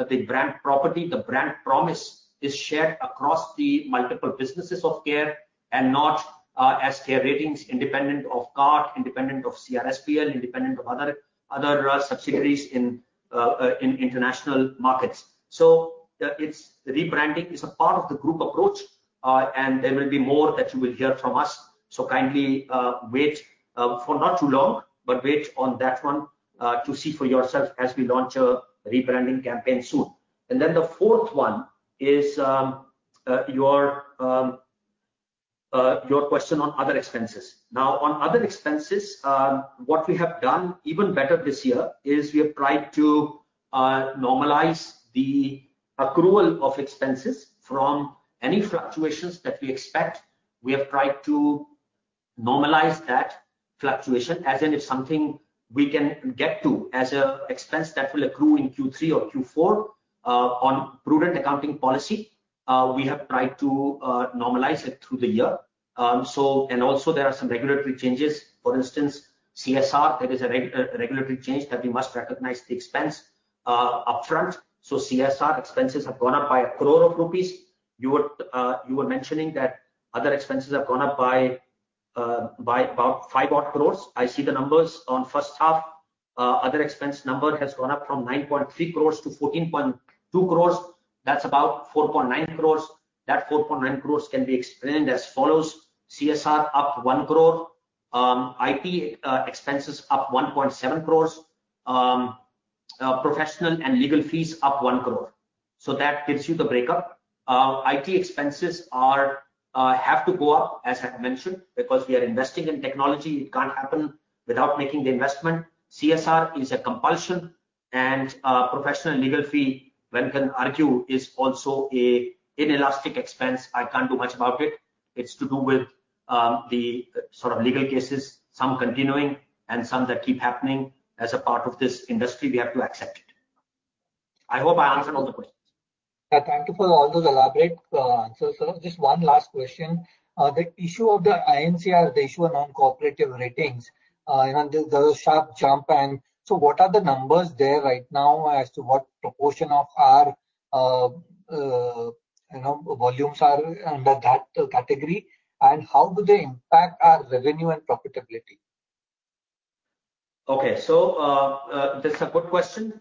The brand property, the brand promise is shared across the multiple businesses of CARE and not as CARE Ratings, independent of Care Advisory, independent of CRSPL, independent of other subsidiaries in international markets. Rebranding is a part of the group approach, and there will be more that you will hear from us. Kindly wait for not too long, but wait on that one to see for yourself as we launch a rebranding campaign soon. Then the fourth one is your question on other expenses. Now, on other expenses, what we have done even better this year is we have tried to normalize the accrual of expenses from any fluctuations that we expect. We have tried to normalize that fluctuation, as in if something we can get to as a expense that will accrue in Q3 or Q4, on prudent accounting policy, we have tried to normalize it through the year. Also there are some regulatory changes. For instance, CSR, there is a regulatory change that we must recognize the expense, upfront. So CSR expenses have gone up by 1 crore rupees. You were mentioning that other expenses have gone up by about 5 odd crores. I see the numbers on first half. Other expense number has gone up from 9.3 crores to 14.2 crores. That's about 4.9 crore. That 4.9 crore can be explained as follows: CSR up 1 crore. IT expenses up 1.7 crore. Professional and legal fees up 1 crore. So that gives you the breakup. IT expenses have to go up, as I've mentioned, because we are investing in technology. It can't happen without making the investment. CSR is a compulsion, and professional and legal fee, one can argue, is also an inelastic expense. I can't do much about it. It's to do with the sort of legal cases, some continuing and some that keep happening. As a part of this industry, we have to accept it. I hope I answered all the questions. Thank you for all those elaborate answers. Just one last question. The issue of the INC or the issuer non-cooperative ratings, the sharp jump, and what are the numbers there right now as to what proportion of our volumes are under that category, and how do they impact our revenue and profitability? Okay. That's a good question.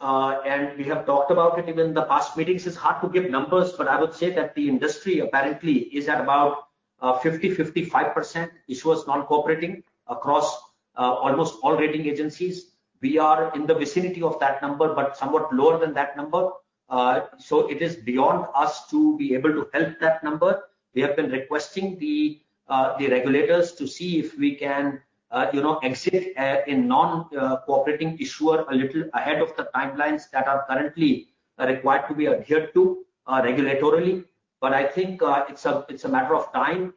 We have talked about it in the past meetings. It's hard to give numbers, but I would say that the industry apparently is at about 50%-55% issuers non-cooperating across almost all rating agencies. We are in the vicinity of that number, but somewhat lower than that number. It is beyond us to be able to help that number. We have been requesting the regulators to see if we can, you know, exit a non cooperating issuer a little ahead of the timelines that are currently required to be adhered to, regulatorily. I think it's a matter of time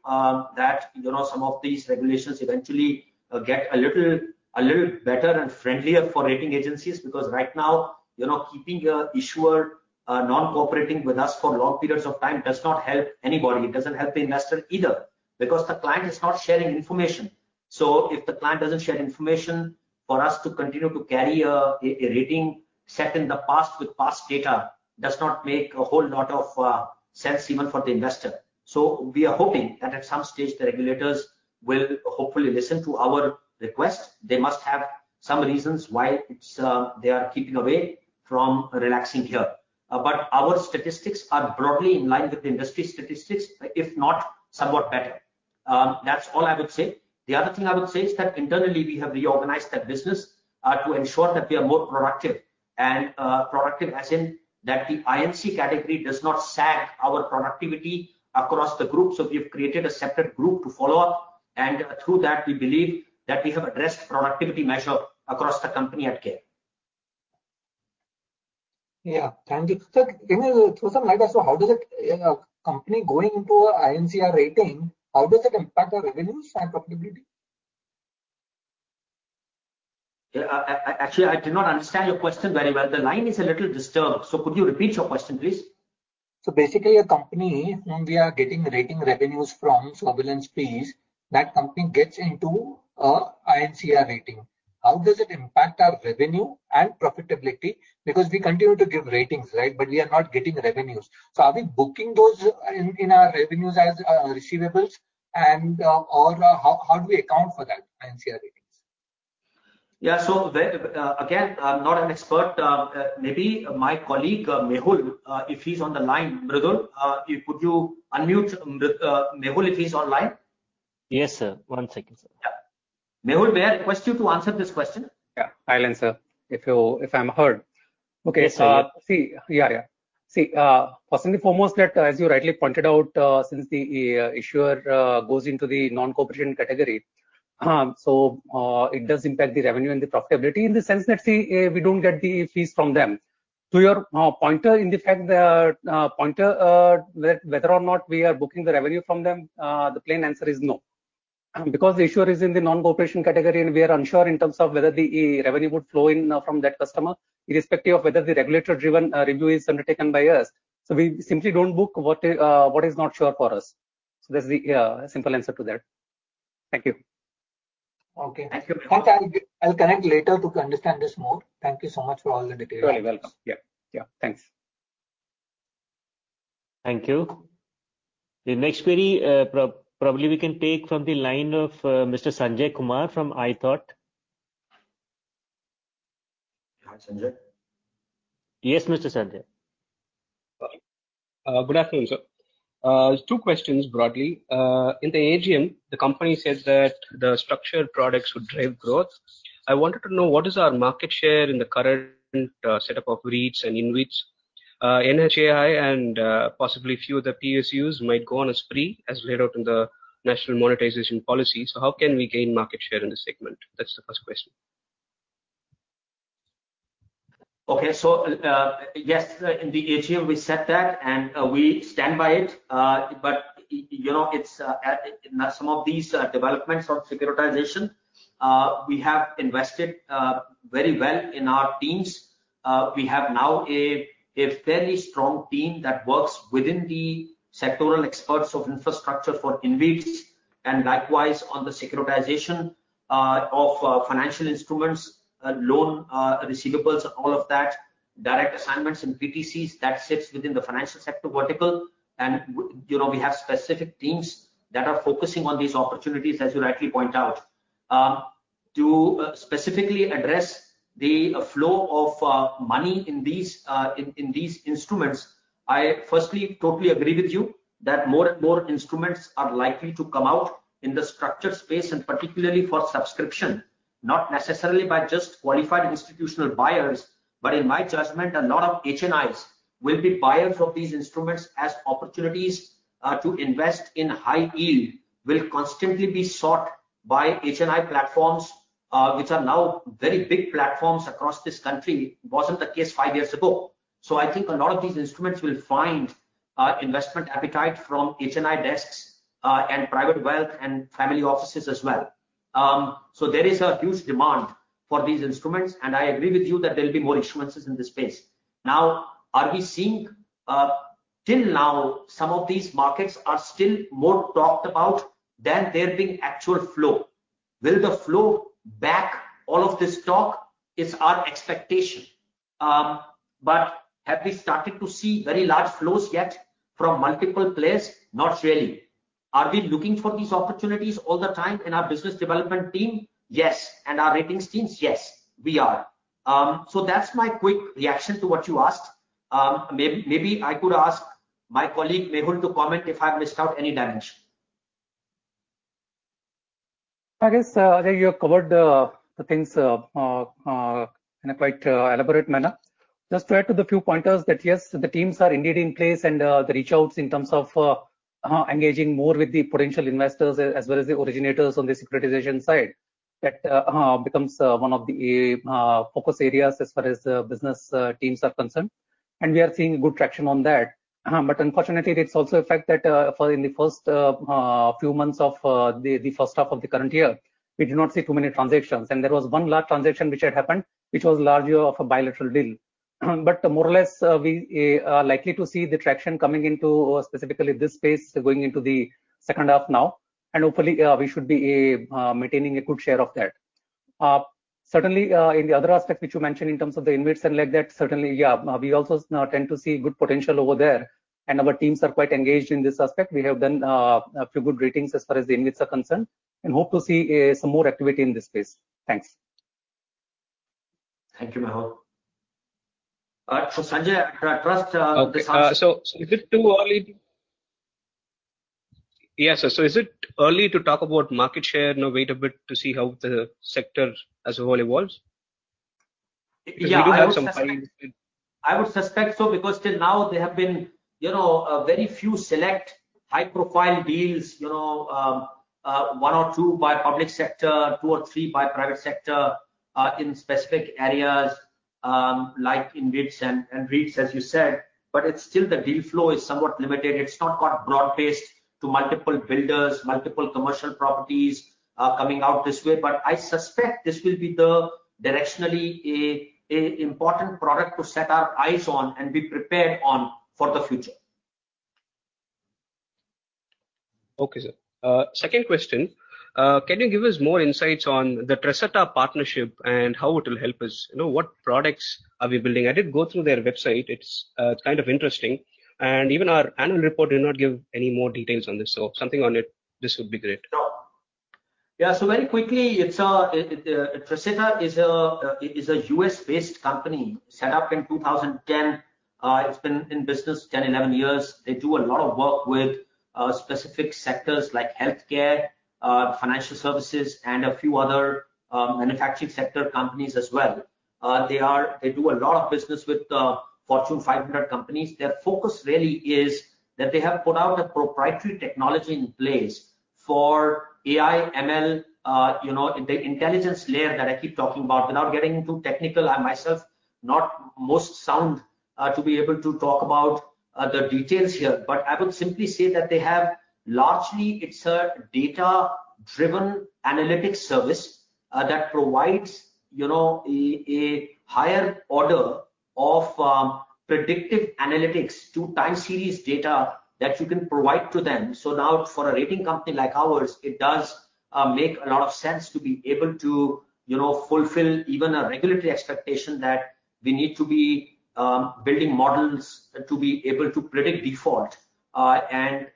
that you know some of these regulations eventually get a little better and friendlier for rating agencies, because right now you know keeping an issuer non-cooperating with us for long periods of time does not help anybody. It doesn't help the investor either, because the client is not sharing information. So if the client doesn't share information, for us to continue to carry a rating set in the past with past data does not make a whole lot of sense even for the investor. So we are hoping that at some stage the regulators will hopefully listen to our requests. They must have some reasons why they are keeping away from relaxing here. Our statistics are broadly in line with the industry statistics, if not somewhat better. That's all I would say. The other thing I would say is that internally we have reorganized that business, to ensure that we are more productive. Productive as in that the INC category does not sag our productivity across the group. We've created a separate group to follow up and through that, we believe that we have addressed productivity measure across the company at CARE. Thank you. Throw some light as to how a company going into INCR rating, how does it impact our revenues and profitability? Yeah. Actually, I did not understand your question very well. The line is a little disturbed. Could you repeat your question, please? Basically a company whom we are getting rating revenues from, surveillance fees, that company gets into a INCR rating. How does it impact our revenue and profitability? Because we continue to give ratings, right? We are not getting revenues. Are we booking those in our revenues as receivables and or how do we account for that INCR ratings? Yeah. Again, I'm not an expert. Maybe my colleague, Mehul, if he's on the line. Mradul, could you unmute Mehul if he's online? Yes, sir. One second, sir. Yeah. Mehul, may I request you to answer this question? Yeah. I'll answer if I'm heard. Yes, sir. First and foremost, that as you rightly pointed out, since the issuer goes into the non-cooperation category, it does impact the revenue and the profitability in the sense that we don't get the fees from them. To your point, in fact, whether or not we are booking the revenue from them, the plain answer is no. Because the issuer is in the non-cooperation category, and we are unsure in terms of whether the revenue would flow in from that customer, irrespective of whether the regulator-driven review is undertaken by us. We simply don't book what is not sure for us. That's the simple answer to that. Thank you. Okay. Thank you. Once I'll connect later to understand this more. Thank you so much for all the details. You're very welcome. Yeah. Yeah. Thanks. Thank you. The next query, probably we can take from the line of Mr. Sanjay Kumar from iThought. Hi, Sanjay. Yes, Mr. Sanjay. Good afternoon, sir. Two questions broadly. In the AGM, the company says that the structured products would drive growth. I wanted to know what is our market share in the current setup of REITs and InvITs. NHAI and possibly a few other PSUs might go on a spree as laid out in the National Monetization Pipeline. How can we gain market share in this segment? That's the first question. Okay. Yes, in the AGM we said that, and we stand by it. You know, it's at some of these developments of securitization, we have invested very well in our teams. We have now a fairly strong team that works within the sectoral expertise of infrastructure for InvITs, and likewise on the securitization of financial instruments, loan receivables, all of that, direct assignments and PTCs that sits within the financial sector vertical. You know, we have specific teams that are focusing on these opportunities, as you rightly point out. To specifically address the flow of money in these instruments, I firstly totally agree with you that more and more instruments are likely to come out in the structured space, and particularly for subscription, not necessarily by just qualified institutional buyers, but in my judgment, a lot of HNIs will be buyers of these instruments as opportunities to invest in high yield will constantly be sought by HNI platforms, which are now very big platforms across this country. Wasn't the case five years ago. I think a lot of these instruments will find investment appetite from HNI desks and private wealth and family offices as well. There is a huge demand for these instruments, and I agree with you that there will be more issuances in this space. Now, are we seeing... Till now, some of these markets are still more talked about than there being actual flow. Will the flow back all of this talk? It is our expectation. Have we started to see very large flows yet from multiple players? Not really. Are we looking for these opportunities all the time in our business development team? Yes. Our ratings teams? Yes, we are. That's my quick reaction to what you asked. Maybe I could ask my colleague, Mehul, to comment if I've missed out any dimension. I guess, there you have covered the things in a quite elaborate manner. Just to add to the few pointers that, yes, the teams are indeed in place and the reach outs in terms of engaging more with the potential investors as well as the originators on the securitization side. That becomes one of the focus areas as far as the business teams are concerned, and we are seeing good traction on that. But unfortunately, it's also a fact that in the first few months of the first half of the current year, we did not see too many transactions. There was one large transaction which had happened, which was largely of a bilateral deal. More or less, we are likely to see the traction coming into specifically this space going into the second half now. Hopefully, we should be maintaining a good share of that. Certainly, in the other aspects which you mentioned in terms of the InvITs and like that, certainly, yeah, we also now tend to see good potential over there, and our teams are quite engaged in this aspect. We have done a few good ratings as far as the InvITs are concerned and hope to see some more activity in this space. Thanks. Thank you, Mehul. Sanjay, I trust this answer. Okay. Is it too early? Yeah, sir. Is it early to talk about market share and wait a bit to see how the sector as a whole evolves? Yeah, I would suspect. Because we do have some clients. I would suspect so, because till now they have been, you know, a very few select high-profile deals, you know, 1 or 2 by public sector, 2 or 3 by private sector, in specific areas, like in InvITs and REITs, as you said. It's still the deal flow is somewhat limited. It's not got broad-based to multiple builders, multiple commercial properties, coming out this way. I suspect this will be directionally an important product to set our eyes on and be prepared on for the future. Okay, sir. Second question. Can you give us more insights on the Tresata partnership and how it will help us? You know, what products are we building? I did go through their website. It's kind of interesting, and even our annual report did not give any more details on this. Something on it, this would be great. Sure. Yeah, very quickly, Tresata is a U.S.-based company set up in 2010. It's been in business 10, 11 years. They do a lot of work with specific sectors like healthcare, financial services and a few other manufacturing sector companies as well. They do a lot of business with Fortune 500 companies. Their focus really is that they have put out a proprietary technology in place for AI, ML, you know, in the intelligence layer that I keep talking about. Without getting too technical, I myself am not the most sound to be able to talk about the details here. I would simply say that they have largely, it's a data-driven analytics service that provides, you know, a higher order of predictive analytics to time series data that you can provide to them. Now for a rating company like ours, it does make a lot of sense to be able to, you know, fulfill even a regulatory expectation that we need to be building models to be able to predict default and,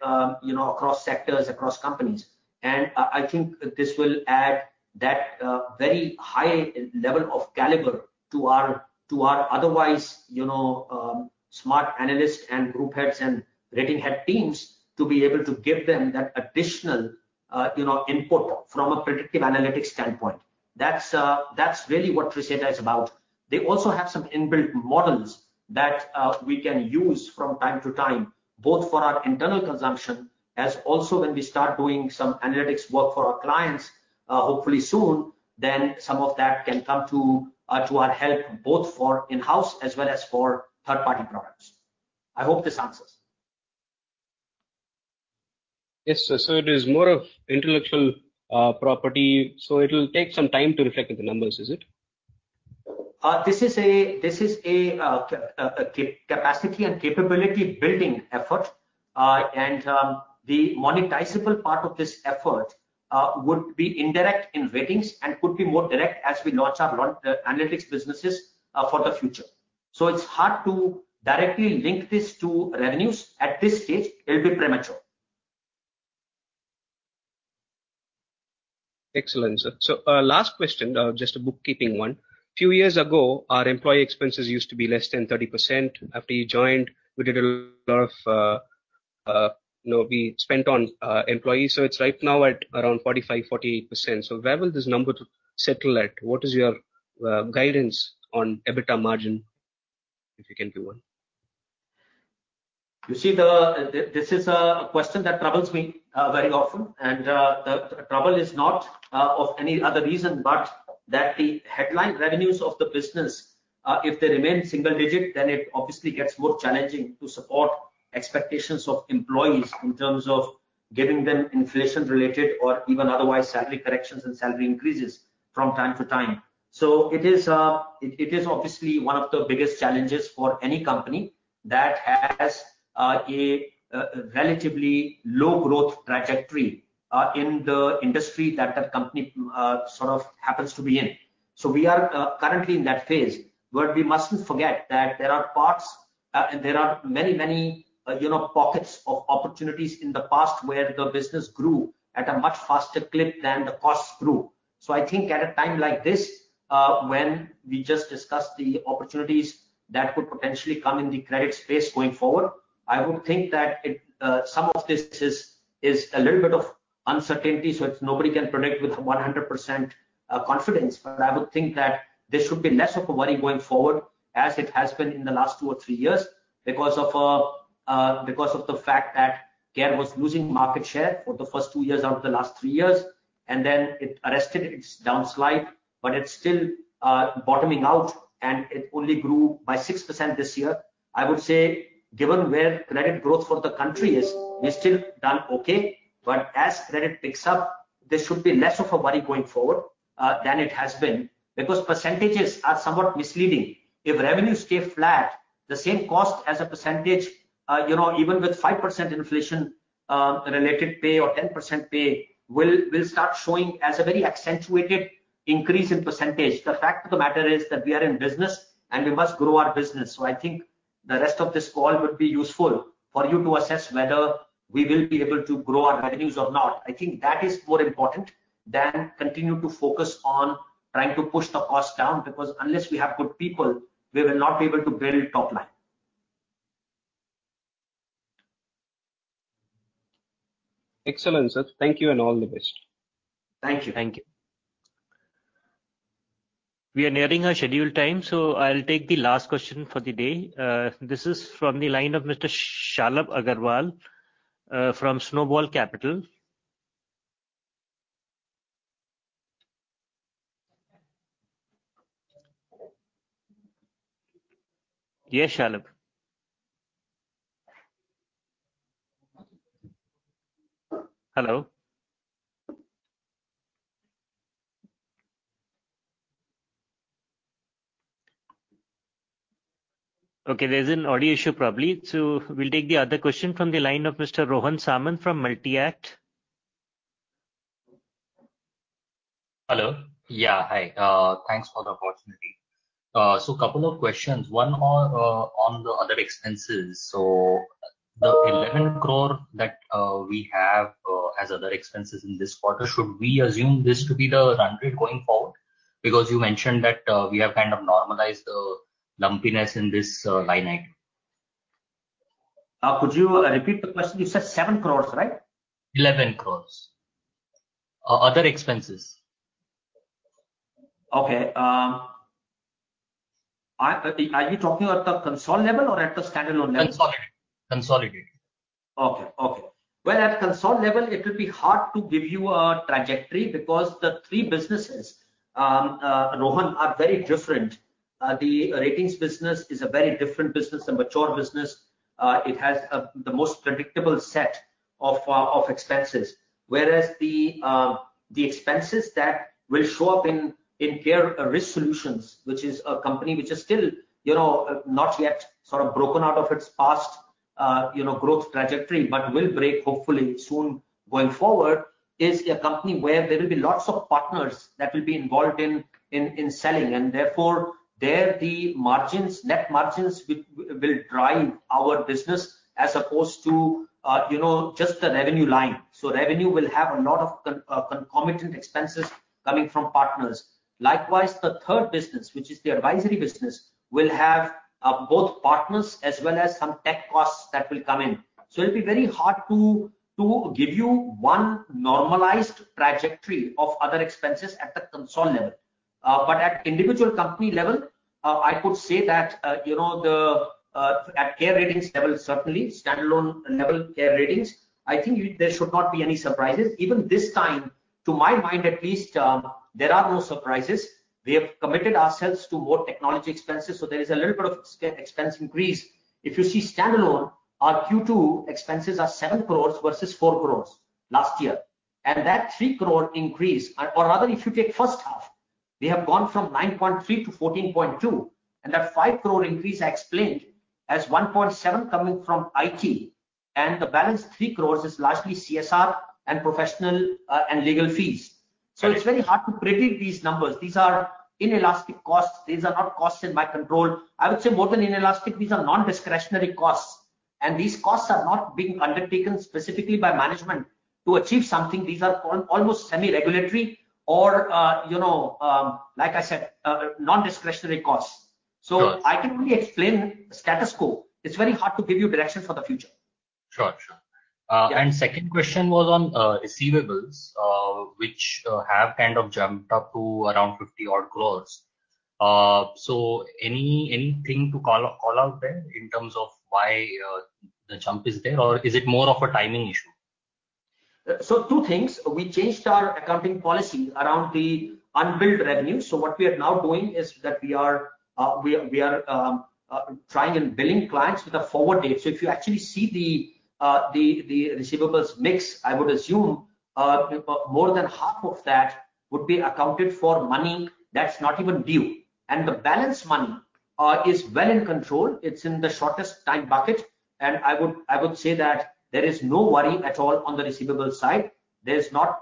you know, across sectors, across companies. I think this will add that very high level of caliber to our otherwise, you know, smart analyst and group heads and rating head teams to be able to give them that additional, you know, input from a predictive analytics standpoint. That's really what Tresata is about. They also have some inbuilt models that we can use from time to time, both for our internal consumption as also when we start doing some analytics work for our clients, hopefully soon. Some of that can come to our help both for in-house as well as for third-party products. I hope this answers. Yes, sir. It is more of intellectual property, so it'll take some time to reflect in the numbers, is it? This is a capacity and capability building effort. The monetizable part of this effort would be indirect in ratings and could be more direct as we launch our analytics businesses for the future. It's hard to directly link this to revenues. At this stage it will be premature. Excellent, sir. Last question, just a bookkeeping one. Few years ago, our employee expenses used to be less than 30%. After you joined, we did a lot of, you know, we spent on employees. It's right now at around 45%-48%. Where will this number settle at? What is your guidance on EBITDA margin, if you can give one? This is a question that troubles me very often. The trouble is not of any other reason, but that the headline revenues of the business, if they remain single-digit, then it obviously gets more challenging to support expectations of employees in terms of giving them inflation-related or even otherwise salary corrections and salary increases from time to time. It is obviously one of the biggest challenges for any company that has a relatively low growth trajectory in the industry that the company sort of happens to be in. We are currently in that phase. We mustn't forget that there are parts, and there are many pockets of opportunities in the past where the business grew at a much faster clip than the costs grew. I think at a time like this, when we just discussed the opportunities that could potentially come in the credit space going forward, I would think that it, some of this is a little bit of uncertainty, so it's nobody can predict with 100% confidence. I would think that this should be less of a worry going forward as it has been in the last two or three years because of the fact that CARE was losing market share for the first two years out of the last three years, and then it arrested its downslide, but it's still bottoming out and it only grew by 6% this year. I would say given where credit growth for the country is, we've still done okay. As credit picks up, this should be less of a worry going forward than it has been because percentages are somewhat misleading. If revenues stay flat, the same cost as a percentage, even with 5% inflation related pay or 10% pay will start showing as a very accentuated increase in percentage. The fact of the matter is that we are in business and we must grow our business. I think the rest of this call would be useful for you to assess whether we will be able to grow our revenues or not. I think that is more important than continue to focus on trying to push the cost down, because unless we have good people, we will not be able to build top line. Excellent, sir. Thank you and all the best. Thank you. Thank you. We are nearing our scheduled time, so I'll take the last question for the day. This is from the line of Mr. Shalabh Agarwal from Snowball Capital. Yes, Shalabh. Hello? Okay, there's an audio issue probably. We'll take the other question from the line of Mr. Rohan Samant from Multi-Act. Hello. Yeah, hi. Thanks for the opportunity. Couple of questions. One on the other expenses. The 11 crore that we have as other expenses in this quarter, should we assume this to be the run rate going forward? Because you mentioned that we have kind of normalized the lumpiness in this line item. Could you repeat the question? You said 7 crore, right? 11 crores other expenses. Okay. Are you talking about the consolidated level or at the standalone level? Consolidated. Okay, okay. Well, at consolidated level it will be hard to give you a trajectory because the three businesses, Rohan, are very different. The ratings business is a very different business, a mature business. It has the most predictable set of of expenses. Whereas the expenses that will show up in CARE Risk Solutions, which is a company which is still, you know, not yet sort of broken out of its past, you know, growth trajectory, but will break hopefully soon going forward, is a company where there will be lots of partners that will be involved in selling and therefore there the margins, net margins will drive our business as opposed to, you know, just the revenue line. Revenue will have a lot of concomitant expenses coming from partners. Likewise, the third business, which is the advisory business, will have both partners as well as some tech costs that will come in. It'll be very hard to give you one normalized trajectory of other expenses at the consolidated level. At individual company level, I could say that you know, at CARE Ratings level, certainly standalone level CARE Ratings, I think there should not be any surprises. Even this time, to my mind at least, there are no surprises. We have committed ourselves to more technology expenses, so there is a little bit of expense increase. If you see standalone, our Q2 expenses are 7 crores versus 4 crores last year. That 3 crore increase. Rather, if you take first half, we have gone from 9.3 crore to 14.2 crore, and that 5 crore increase I explained as 1.7 crore coming from IT and the balance 3 crore is largely CSR and professional, and legal fees. It's very hard to predict these numbers. These are inelastic costs. These are not costs in my control. I would say more than inelastic, these are non-discretionary costs. These costs are not being undertaken specifically by management to achieve something. These are almost semi-regulatory or, you know, like I said, non-discretionary costs. Sure. I can only explain status quo. It's very hard to give you direction for the future. Sure, sure. Second question was on receivables, which have kind of jumped up to around 50-odd crore. So anything to call out there in terms of why the jump is there or is it more of a timing issue? Two things. We changed our accounting policy around the unbilled revenue. What we are now doing is that we are trying and billing clients with a forward date. If you actually see the receivables mix, I would assume more than half of that would be accounted for money that's not even due. And the balance money is well in control. It's in the shortest time bucket. And I would say that there is no worry at all on the receivables side. There's not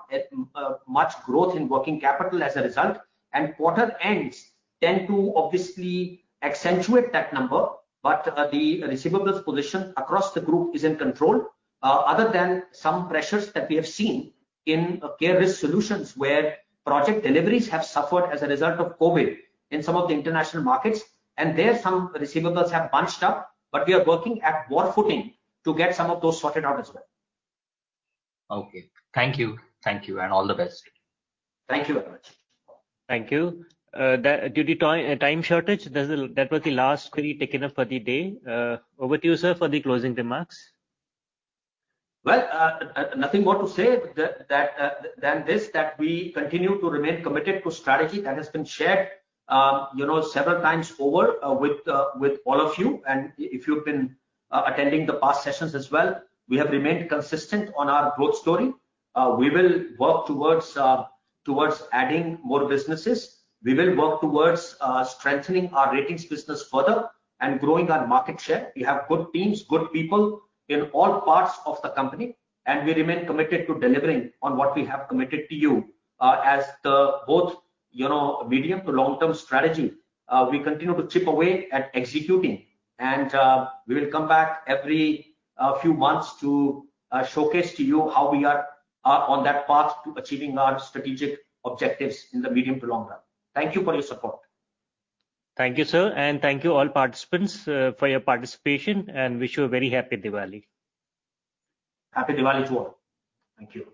much growth in working capital as a result. And quarter ends tend to obviously accentuate that number. But the receivables position across the group is in control. Other than some pressures that we have seen in CARE Risk Solutions where project deliveries have suffered as a result of COVID in some of the international markets, and there, some receivables have bunched up, but we are working at war footing to get some of those sorted out as well. Okay. Thank you. Thank you and all the best. Thank you very much. Thank you. Due to time shortage, that was the last query taken up for the day. Over to you, sir, for the closing remarks. Well, nothing more to say than this, that we continue to remain committed to strategy that has been shared, you know, several times over, with all of you. If you've been attending the past sessions as well, we have remained consistent on our growth story. We will work towards adding more businesses. We will work towards strengthening our ratings business further and growing our market share. We have good teams, good people in all parts of the company, and we remain committed to delivering on what we have committed to you know, as the both medium to long-term strategy. We continue to chip away at executing and we will come back every few months to showcase to you how we are on that path to achieving our strategic objectives in the medium to long run. Thank you for your support. Thank you, sir, and thank you all participants, for your participation and wish you a very happy Diwali. Happy Diwali to all. Thank you.